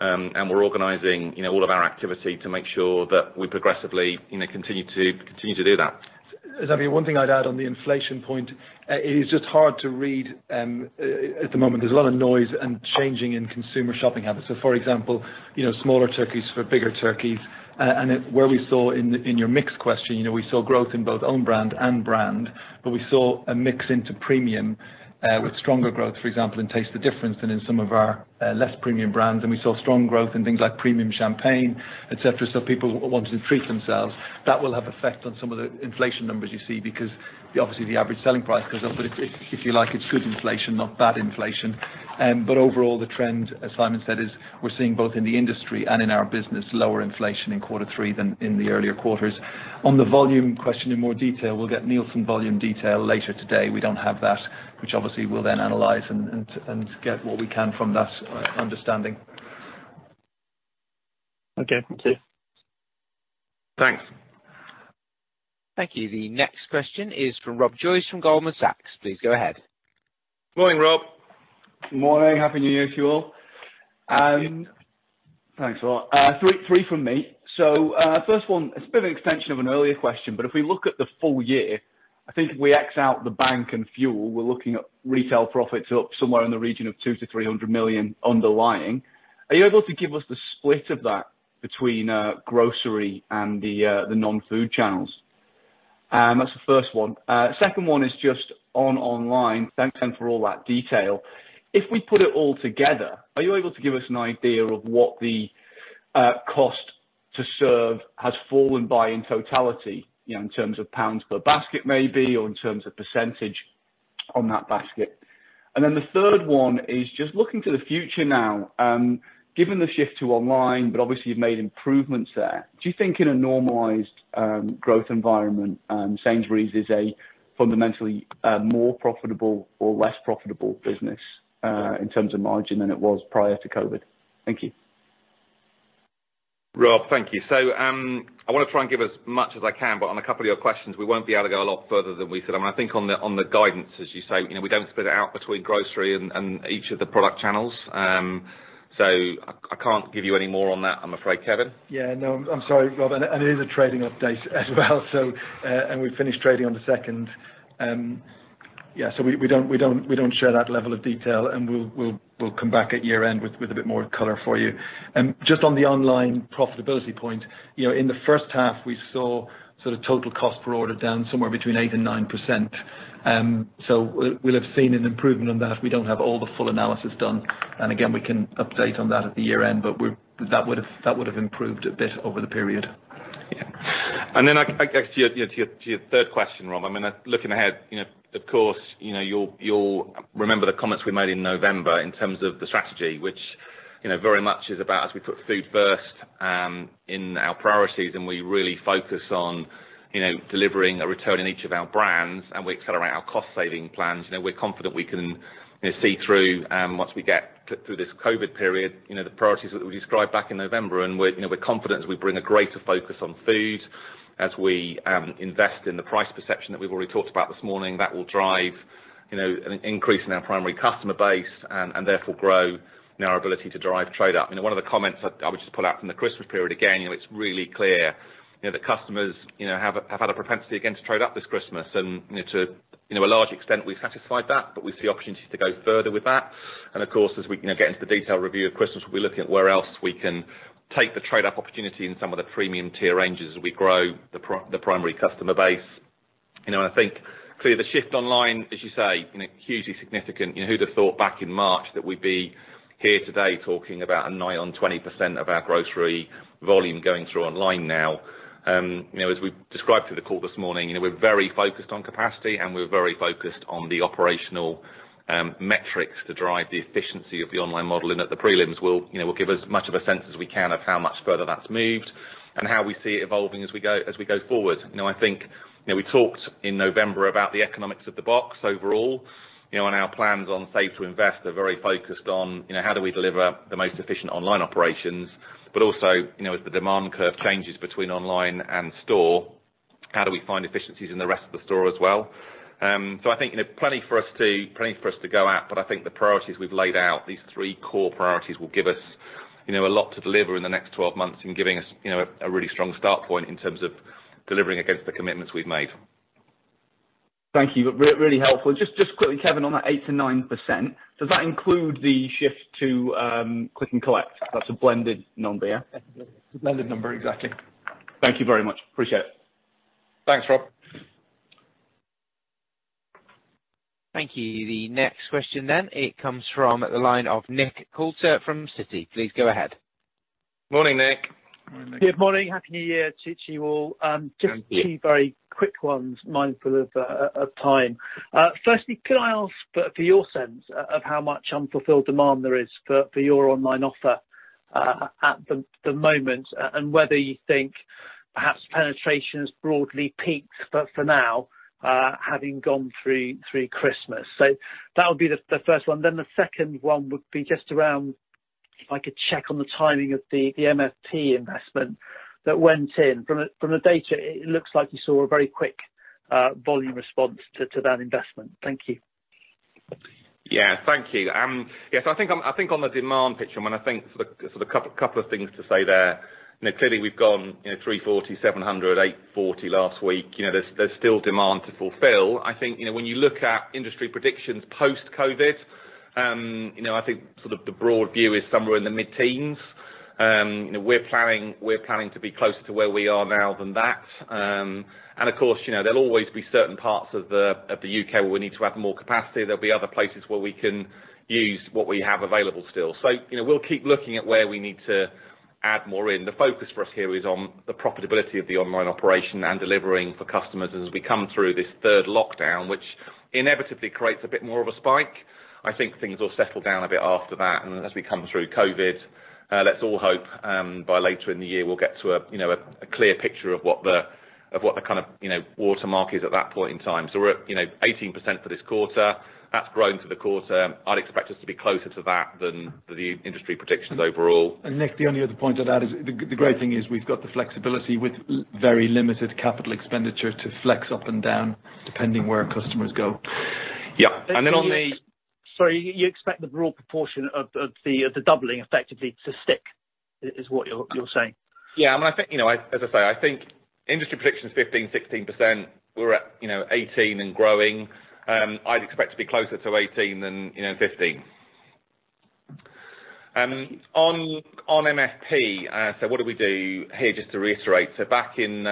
We're organizing all of our activity to make sure that we progressively continue to do that. Xavier, one thing I'd add on the inflation point, it is just hard to read at the moment. There's a lot of noise and changing in consumer shopping habits. For example, smaller turkeys for bigger turkeys. Where we saw in your mixed question, we saw growth in both own brand and brand, but we saw a mix into premium with stronger growth, for example, in Taste the Difference than in some of our less premium brands. We saw strong growth in things like premium champagne, et cetera. People wanting to treat themselves. That will have effect on some of the inflation numbers you see because obviously the average selling price goes up. If you like, it's good inflation, not bad inflation. Overall, the trend, as Simon said, is we're seeing both in the industry and in our business, lower inflation in quarter three than in the earlier quarters. On the volume question in more detail, we'll get Nielsen volume detail later today. We don't have that, which obviously we'll then analyze and get what we can from that understanding. Okay. Thank you. Thanks. Thank you. The next question is from Rob Joyce from Goldman Sachs. Please go ahead. Morning, Rob. Morning. Happy New Year to you all. Thank you. Thanks a lot. Three from me. First one, it’s a bit of an extension of an earlier question, but if we look at the full year, I think if we X out the bank and fuel, we’re looking at retail profits up somewhere in the region of 2 million-300 million underlying. Are you able to give us the split of that between grocery and the non-food channels? That’s the first one. Second one is just on online. Thanks for all that detail. If we put it all together, are you able to give us an idea of what the cost to serve has fallen by in totality? In terms of GBP per basket maybe, or in terms of percentage on that basket? The third one is just looking to the future now. Given the shift to online, but obviously you’ve made improvements there. Do you think in a normalized growth environment, Sainsbury's is a fundamentally more profitable or less profitable business, in terms of margin than it was prior to COVID? Thank you. Rob, thank you. I want to try and give as much as I can, but on a couple of your questions, we won't be able to go a lot further than we said. I think on the guidance, as you say, we don't split it out between grocery and each of the product channels. I can't give you any more on that, I'm afraid. Kevin? No, I'm sorry, Rob, and it is a trading update as well, and we've finished trading on the 2nd. We don't share that level of detail, and we'll come back at year-end with a bit more color for you. Just on the online profitability point, in the first half we saw total cost per order down somewhere between 8% and 9%. We'll have seen an improvement on that. We don't have all the full analysis done, and again, we can update on that at the year-end. That would have improved a bit over the period. Yeah. To your third question, Rob, looking ahead, of course, you'll remember the comments we made in November in terms of the strategy, which very much is about as we put food first in our priorities and we really focus on delivering a return in each of our brands and we accelerate our cost saving plans. We're confident we can see through, once we get through this COVID period, the priorities that we described back in November. We're confident as we bring a greater focus on food, as we invest in the price perception that we've already talked about this morning, that will drive an increase in our primary customer base and therefore grow our ability to drive trade up. One of the comments I would just pull out from the Christmas period, again, it's really clear that customers have had a propensity again to trade-up this Christmas and to a large extent we've satisfied that, but we see opportunities to go further with that. As we get into the detail review of Christmas, we'll be looking at where else we can take the trade-up opportunity in some of the premium tier ranges as we grow the primary customer base. I think clearly the shift online, as you say, hugely significant. Who'd have thought back in March that we'd be here today talking about nigh on 20% of our grocery volume going through online now. As we've described through the call this morning, we're very focused on capacity and we're very focused on the operational metrics to drive the efficiency of the online model and at the prelims we'll give as much of a sense as we can of how much further that's moved and how we see it evolving as we go forward. I think we talked in November about the economics of the box overall. Our plans on Save to Invest are very focused on how do we deliver the most efficient online operations, but also, as the demand curve changes between online and store, how do we find efficiencies in the rest of the store as well? I think plenty for us to go at, but I think the priorities we've laid out, these three core priorities will give us a lot to deliver in the next 12 months in giving us a really strong start point in terms of delivering against the commitments we've made. Thank you. Really helpful. Just quickly, Kevin, on that 8%-9%, does that include the shift to Click and Collect? That's a blended number, yeah? Blended number, exactly. Thank you very much. Appreciate it. Thanks, Rob. Thank you. The next question then, it comes from the line of Nick Coulter from Citi. Please go ahead. Morning, Nick. Morning, Nick. Good morning. Happy New Year to you all. Thank you. Just two very quick ones, mindful of time. Firstly, could I ask for your sense of how much unfulfilled demand there is for your online offer at the moment, and whether you think perhaps penetration has broadly peaked for now, having gone through Christmas? That would be the first one. The second one would be just around, if I could check on the timing of the MFP investment that went in. From the data, it looks like you saw a very quick volume response to that investment. Thank you. Yeah. Thank you. I think on the demand picture, couple of things to say there. We've gone 340,700, 840 last week. There's still demand to fulfill. When you look at industry predictions post-COVID, the broad view is somewhere in the mid-teens. We're planning to be closer to where we are now than that. Of course, there'll always be certain parts of the U.K. where we need to have more capacity. There'll be other places where we can use what we have available still. We'll keep looking at where we need to add more in. The focus for us here is on the profitability of the online operation and delivering for customers as we come through this third lockdown, which inevitably creates a bit more of a spike. I think things will settle down a bit after that, and as we come through COVID, let's all hope by later in the year we'll get to a clear picture of what the kind of watermark is at that point in time. We're up 18% for this quarter. That's grown for the quarter. I'd expect us to be closer to that than the industry predictions overall. Nick, the only other point to that is the great thing is we've got the flexibility with very limited capital expenditure to flex up and down depending where customers go. Yeah. then on the- Sorry, you expect the raw proportion of the doubling effectively to stick, is what you're saying? Yeah. As I say, I think industry prediction is 15%, 16%. We're at 18% and growing. I'd expect to be closer to 18% than 15%. On MFP, what do we do here, just to reiterate. Back end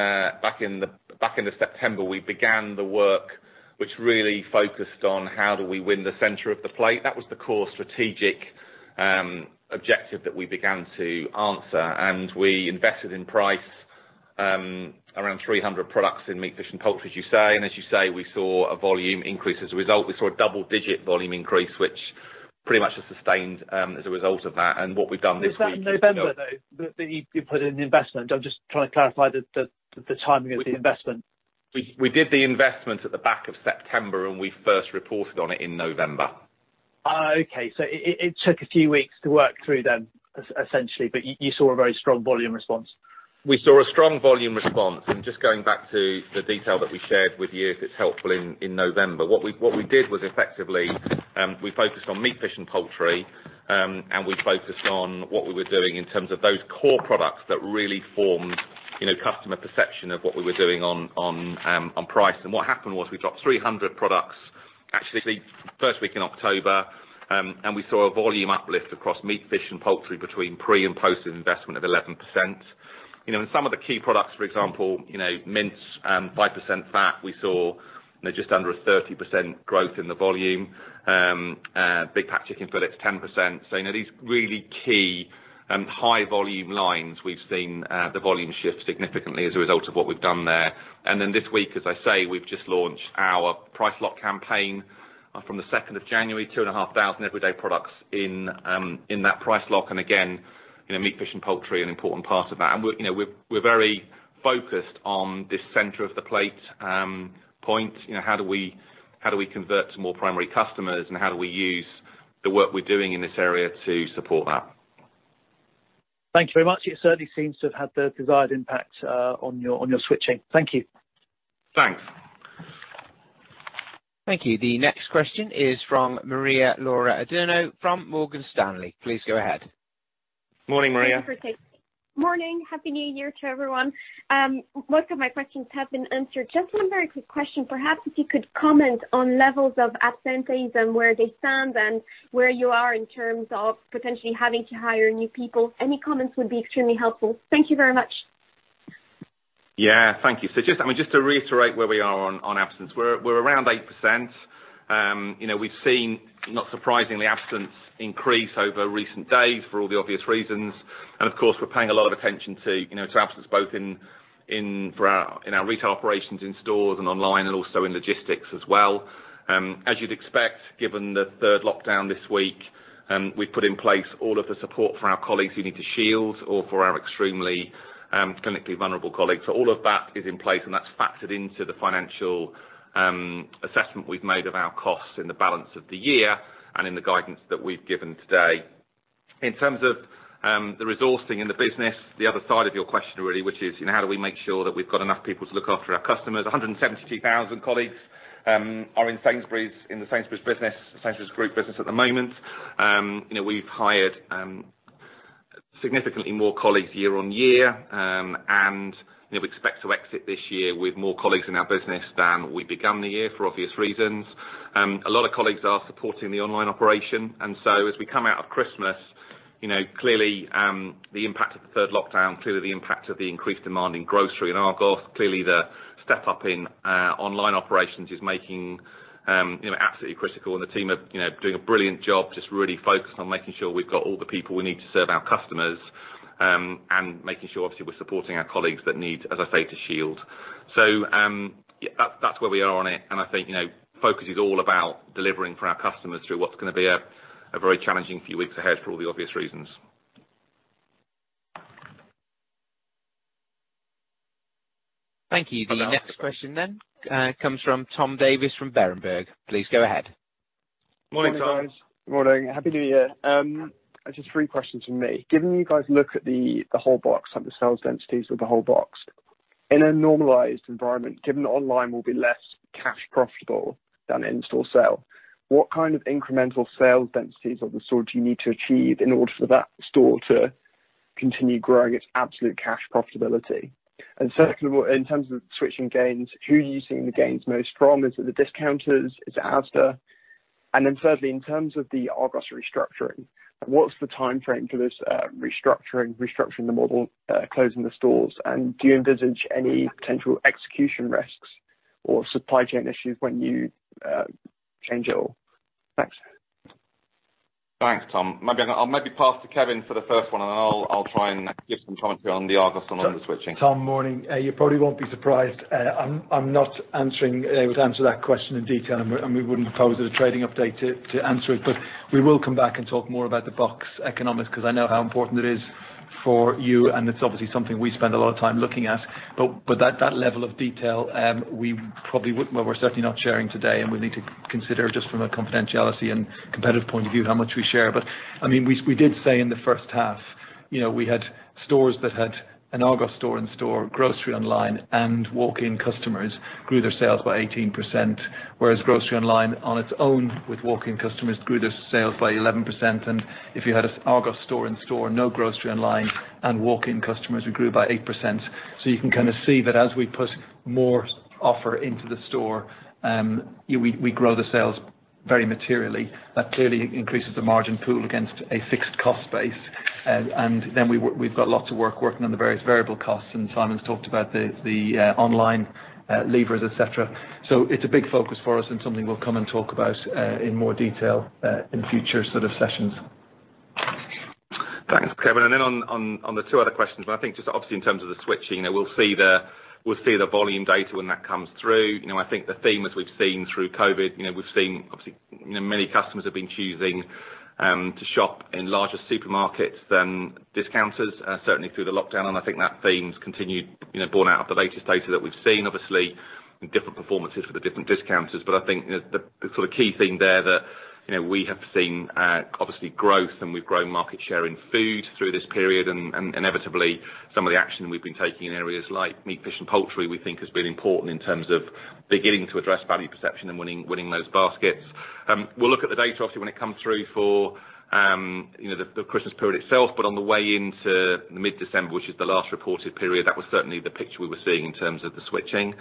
of September, we began the work which really focused on how do we win the center of the plate. That was the core strategic objective that we began to answer, and we invested in price around 300 products in meat, fish, and poultry, as you say. As you say, we saw a volume increase. As a result, we saw a double-digit volume increase, which pretty much has sustained as a result of that. What we've done this week. Is that in November, though, that you put in the investment? I'm just trying to clarify the timing of the investment. We did the investment at the back of September, and we first reported on it in November. It took a few weeks to work through then, essentially, but you saw a very strong volume response? We saw a strong volume response, and just going back to the detail that we shared with you, if it's helpful, in November. What we did was effectively, we focused on meat, fish, and poultry, and we focused on what we were doing in terms of those core products that really formed customer perception of what we were doing on price. What happened was we dropped 300 products, actually, the first week in October, and we saw a volume uplift across meat, fish, and poultry between pre and post investment of 11%. In some of the key products, for example, mince 5% fat, we saw just under a 30% growth in the volume. Big pack chicken fillets, 10%. These really key high volume lines, we've seen the volume shift significantly as a result of what we've done there. This week, as I say, we've just launched our Price Lock campaign from the 2nd of January, 2,500 everyday products in that Price Lock. Again, meat, fish and poultry are an important part of that. We're very focused on this center of the plate point. How do we convert to more primary customers, and how do we use the work we're doing in this area to support that? Thank you very much. It certainly seems to have had the desired impact on your switching. Thank you. Thanks. Thank you. The next question is from Maria-Laura Adurno from Morgan Stanley. Please go ahead. Morning, Maria. Morning. Happy New Year to everyone. Most of my questions have been answered. One very quick question. Perhaps if you could comment on levels of absentees and where they stand and where you are in terms of potentially having to hire new people. Any comments would be extremely helpful. Thank you very much. Thank you. Just to reiterate where we are on absence. We're around 8%. We've seen, not surprisingly, absence increase over recent days for all the obvious reasons. Of course, we're paying a lot of attention to absence both in our retail operations in stores and online, and also in logistics as well. As you'd expect, given the third lockdown this week. We put in place all of the support for our colleagues who need to shield or for our extremely clinically vulnerable colleagues. All of that is in place, and that's factored into the financial assessment we've made of our costs in the balance of the year and in the guidance that we've given today. In terms of the resourcing in the business, the other side of your question, really, which is how do we make sure that we've got enough people to look after our customers? 172,000 colleagues are in the Sainsbury's Group business at the moment. We've hired significantly more colleagues year-on-year. We expect to exit this year with more colleagues in our business than we begun the year, for obvious reasons. A lot of colleagues are supporting the online operation. As we come out of Christmas, clearly, the impact of the third lockdown, clearly the impact of the increased demand in grocery and Argos, clearly the step up in online operations is making absolutely critical. The team are doing a brilliant job, just really focused on making sure we've got all the people we need to serve our customers, and making sure, obviously, we're supporting our colleagues that need, as I say, to shield. That's where we are on it, and I think focus is all about delivering for our customers through what's going to be a very challenging few weeks ahead for all the obvious reasons. Thank you. Hello. The next question comes from Tom Davies from Berenberg. Please go ahead. Morning, Tom. Morning, guys. Morning. Happy New Year. Just three questions from me. Given you guys look at the whole box, like the sales densities of the whole box. In a normalized environment, given that online will be less cash profitable than in in-store sale, what kind of incremental sales densities of the sort do you need to achieve in order for that store to continue growing its absolute cash profitability? Second of all, in terms of switching gains, who are you seeing the gains most from? Is it the discounters? Is it Asda? Thirdly, in terms of the Argos restructuring, what's the timeframe for this restructuring the model, closing the stores, and do you envisage any potential execution risks or supply chain issues when you change it all? Thanks. Thanks, Tom. I'll maybe pass to Kevin for the first one, and then I'll try and give some commentary on the Argos and on the switching. Tom, morning. You probably won't be surprised. I'm not able to answer that question in detail, and we wouldn't have hosted a trading update to answer it. We will come back and talk more about the box economics, because I know how important it is for you, and it's obviously something we spend a lot of time looking at. That level of detail, well, we're certainly not sharing today, and we need to consider just from a confidentiality and competitive point of view how much we share. We did say in the first half we had stores that had an Argos store-in-store grocery online and walk-in customers grew their sales by 18%, whereas grocery online on its own with walk-in customers grew their sales by 11%. If you had an Argos store-in-store, no grocery online and walk-in customers, we grew by 8%. You can see that as we put more offer into the store, we grow the sales very materially. That clearly increases the margin pool against a fixed cost base. We've got lots of work working on the various variable costs, and Simon's talked about the online levers, et cetera. It's a big focus for us and something we'll come and talk about in more detail in future sort of sessions. Thanks, Kevin. Then on the two other questions, I think just obviously in terms of the switching, we'll see the volume data when that comes through. I think the theme as we've seen through COVID, we've seen obviously many customers have been choosing to shop in larger supermarkets than discounters, certainly through the lockdown, and I think that theme's continued, borne out of the latest data that we've seen, obviously in different performances for the different discounters. I think the sort of key thing there that we have seen obviously growth and we've grown market share in food through this period, and inevitably some of the action we've been taking in areas like meat, fish and poultry, we think has been important in terms of beginning to address value perception and winning those baskets. We'll look at the data, obviously, when it comes through for the Christmas period itself, but on the way into mid-December, which is the last reported period, that was certainly the picture we were seeing in terms of the switching.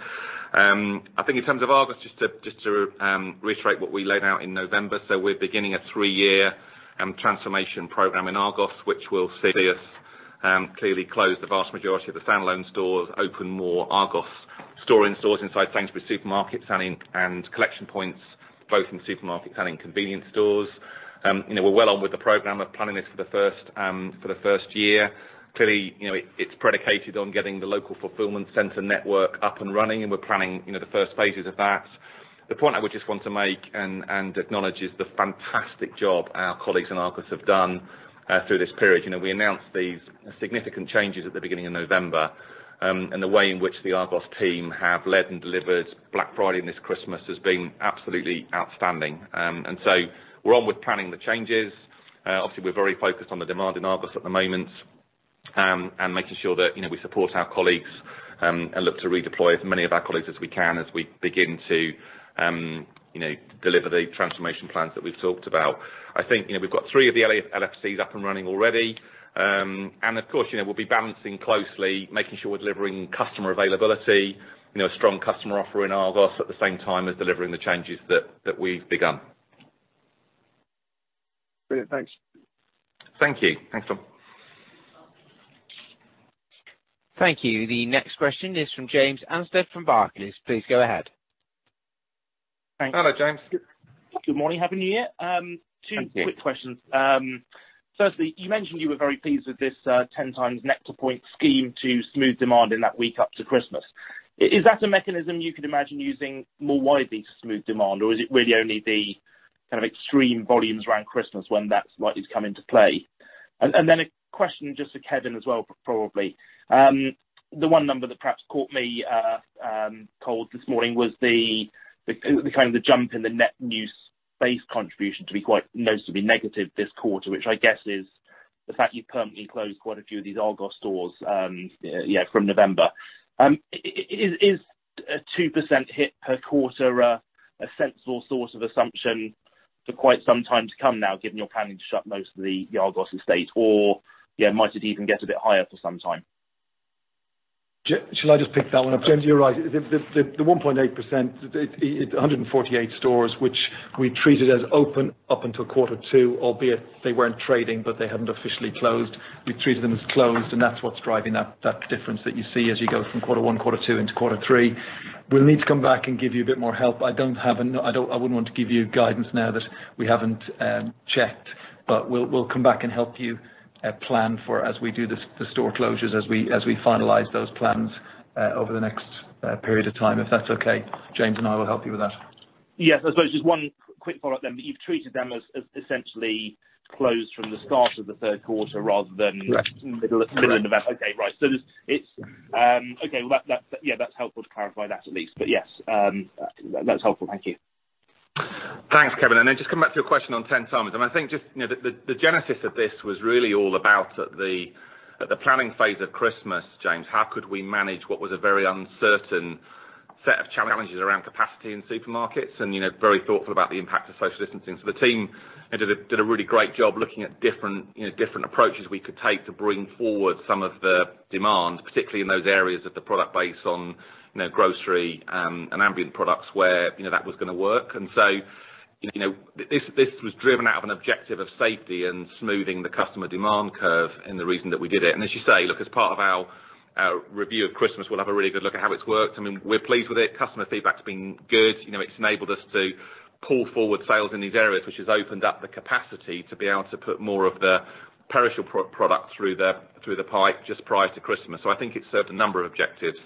I think in terms of Argos, just to reiterate what we laid out in November. We're beginning a three-year transformation program in Argos, which will see us clearly close the vast majority of the standalone stores, open more Argos store-in-stores inside Sainsbury's supermarket, selling and collection points, both in supermarkets and in convenience stores. We're well on with the program of planning this for the first year. Clearly, it's predicated on getting the local fulfilment centre network up and running, and we're planning the first phases of that. The point I would just want to make and acknowledge is the fantastic job our colleagues in Argos have done through this period. We announced these significant changes at the beginning of November. The way in which the Argos team have led and delivered Black Friday and this Christmas has been absolutely outstanding. We're on with planning the changes. Obviously, we're very focused on the demand in Argos at the moment, and making sure that we support our colleagues, and look to redeploy as many of our colleagues as we can as we begin to deliver the transformation plans that we've talked about. I think we've got three of the LFCs up and running already. Of course, we'll be balancing closely, making sure we're delivering customer availability, a strong customer offer in Argos at the same time as delivering the changes that we've begun. Brilliant. Thanks. Thank you. Thanks, Tom. Thank you. The next question is from James Anstead from Barclays. Please go ahead. Hello, James. Good morning. Happy New Year. Thank you. Two quick questions. Firstly, you mentioned you were very pleased with this 10 times Nectar point scheme to smooth demand in that week up to Christmas. Is that a mechanism you could imagine using more widely to smooth demand? Is it really only the extreme volumes around Christmas when that's likely to come into play? A question just to Kevin as well, probably. The one number that perhaps caught me cold this morning was the jump in the net new space contribution to be quite noticeably negative this quarter, which I guess is the fact you've permanently closed quite a few of these Argos stores from November. Is a 2% hit per quarter a sensible sort of assumption for quite some time to come now, given you're planning to shut most of the Argos estate, or might it even get a bit higher for some time? Shall I just pick that one up? James, you're right. The 1.8%, it's 148 stores, which we treated as open up until Q2, albeit they weren't trading, but they hadn't officially closed. We've treated them as closed, and that's what's driving that difference that you see as you go from Q1, Q2, into Q3. We'll need to come back and give you a bit more help. I wouldn't want to give you guidance now that we haven't checked, but we'll come back and help you plan for as we do the store closures as we finalize those plans over the next period of time, if that's okay. James and I will help you with that. Yes, I suppose just one quick follow-up then. You've treated them as essentially closed from the start of the third quarter rather than- Correct. middle of November. Okay. That's helpful to clarify that at least. Yes, that's helpful. Thank you. Thanks, Kevin. Just come back to your question on St. Thomas. I think just the genesis of this was really all about at the planning phase of Christmas, James, how could we manage what was a very uncertain set of challenges around capacity in supermarkets and very thoughtful about the impact of social distancing. The team did a really great job looking at different approaches we could take to bring forward some of the demand, particularly in those areas of the product base on grocery and ambient products where that was going to work. This was driven out of an objective of safety and smoothing the customer demand curve, and the reason that we did it. As you say, look, as part of our review of Christmas, we'll have a really good look at how it's worked. We're pleased with it. Customer feedback's been good. It's enabled us to pull forward sales in these areas, which has opened up the capacity to be able to put more of the perishable product through the pipe just prior to Christmas. I think it served a number of objectives.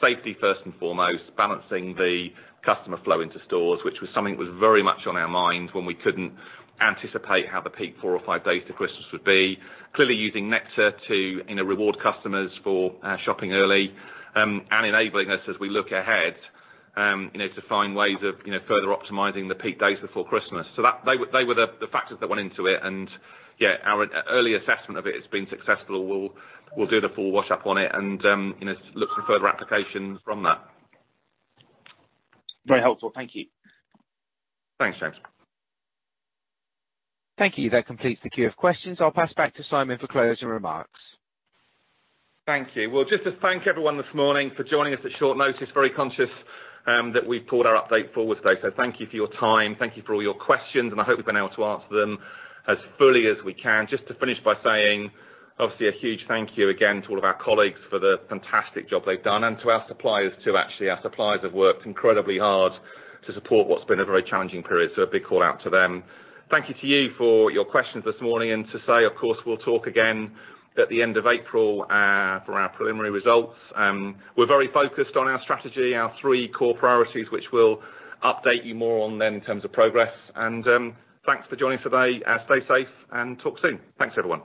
Safety, first and foremost, balancing the customer flow into stores, which was something that was very much on our minds when we couldn't anticipate how the peak four or five days to Christmas would be. Clearly using Nectar to reward customers for shopping early, and enabling us as we look ahead to find ways of further optimizing the peak days before Christmas. They were the factors that went into it, and yeah, our early assessment of it has been successful. We'll do the full wash up on it and look for further applications from that. Very helpful. Thank you. Thanks, James. Thank you. That completes the queue of questions. I'll pass back to Simon for closing remarks. Thank you. Well, just to thank everyone this morning for joining us at short notice. Very conscious that we pulled our update forward today. Thank you for your time. Thank you for all your questions, and I hope we've been able to answer them as fully as we can. Just to finish by saying, obviously a huge thank you again to all of our colleagues for the fantastic job they've done and to our suppliers, too, actually. Our suppliers have worked incredibly hard to support what's been a very challenging period. A big call out to them. Thank you to you for your questions this morning and to say, of course, we'll talk again at the end of April for our preliminary results. We're very focused on our strategy, our three core priorities, which we'll update you more on then in terms of progress. Thanks for joining today. Stay safe and talk soon. Thanks, everyone.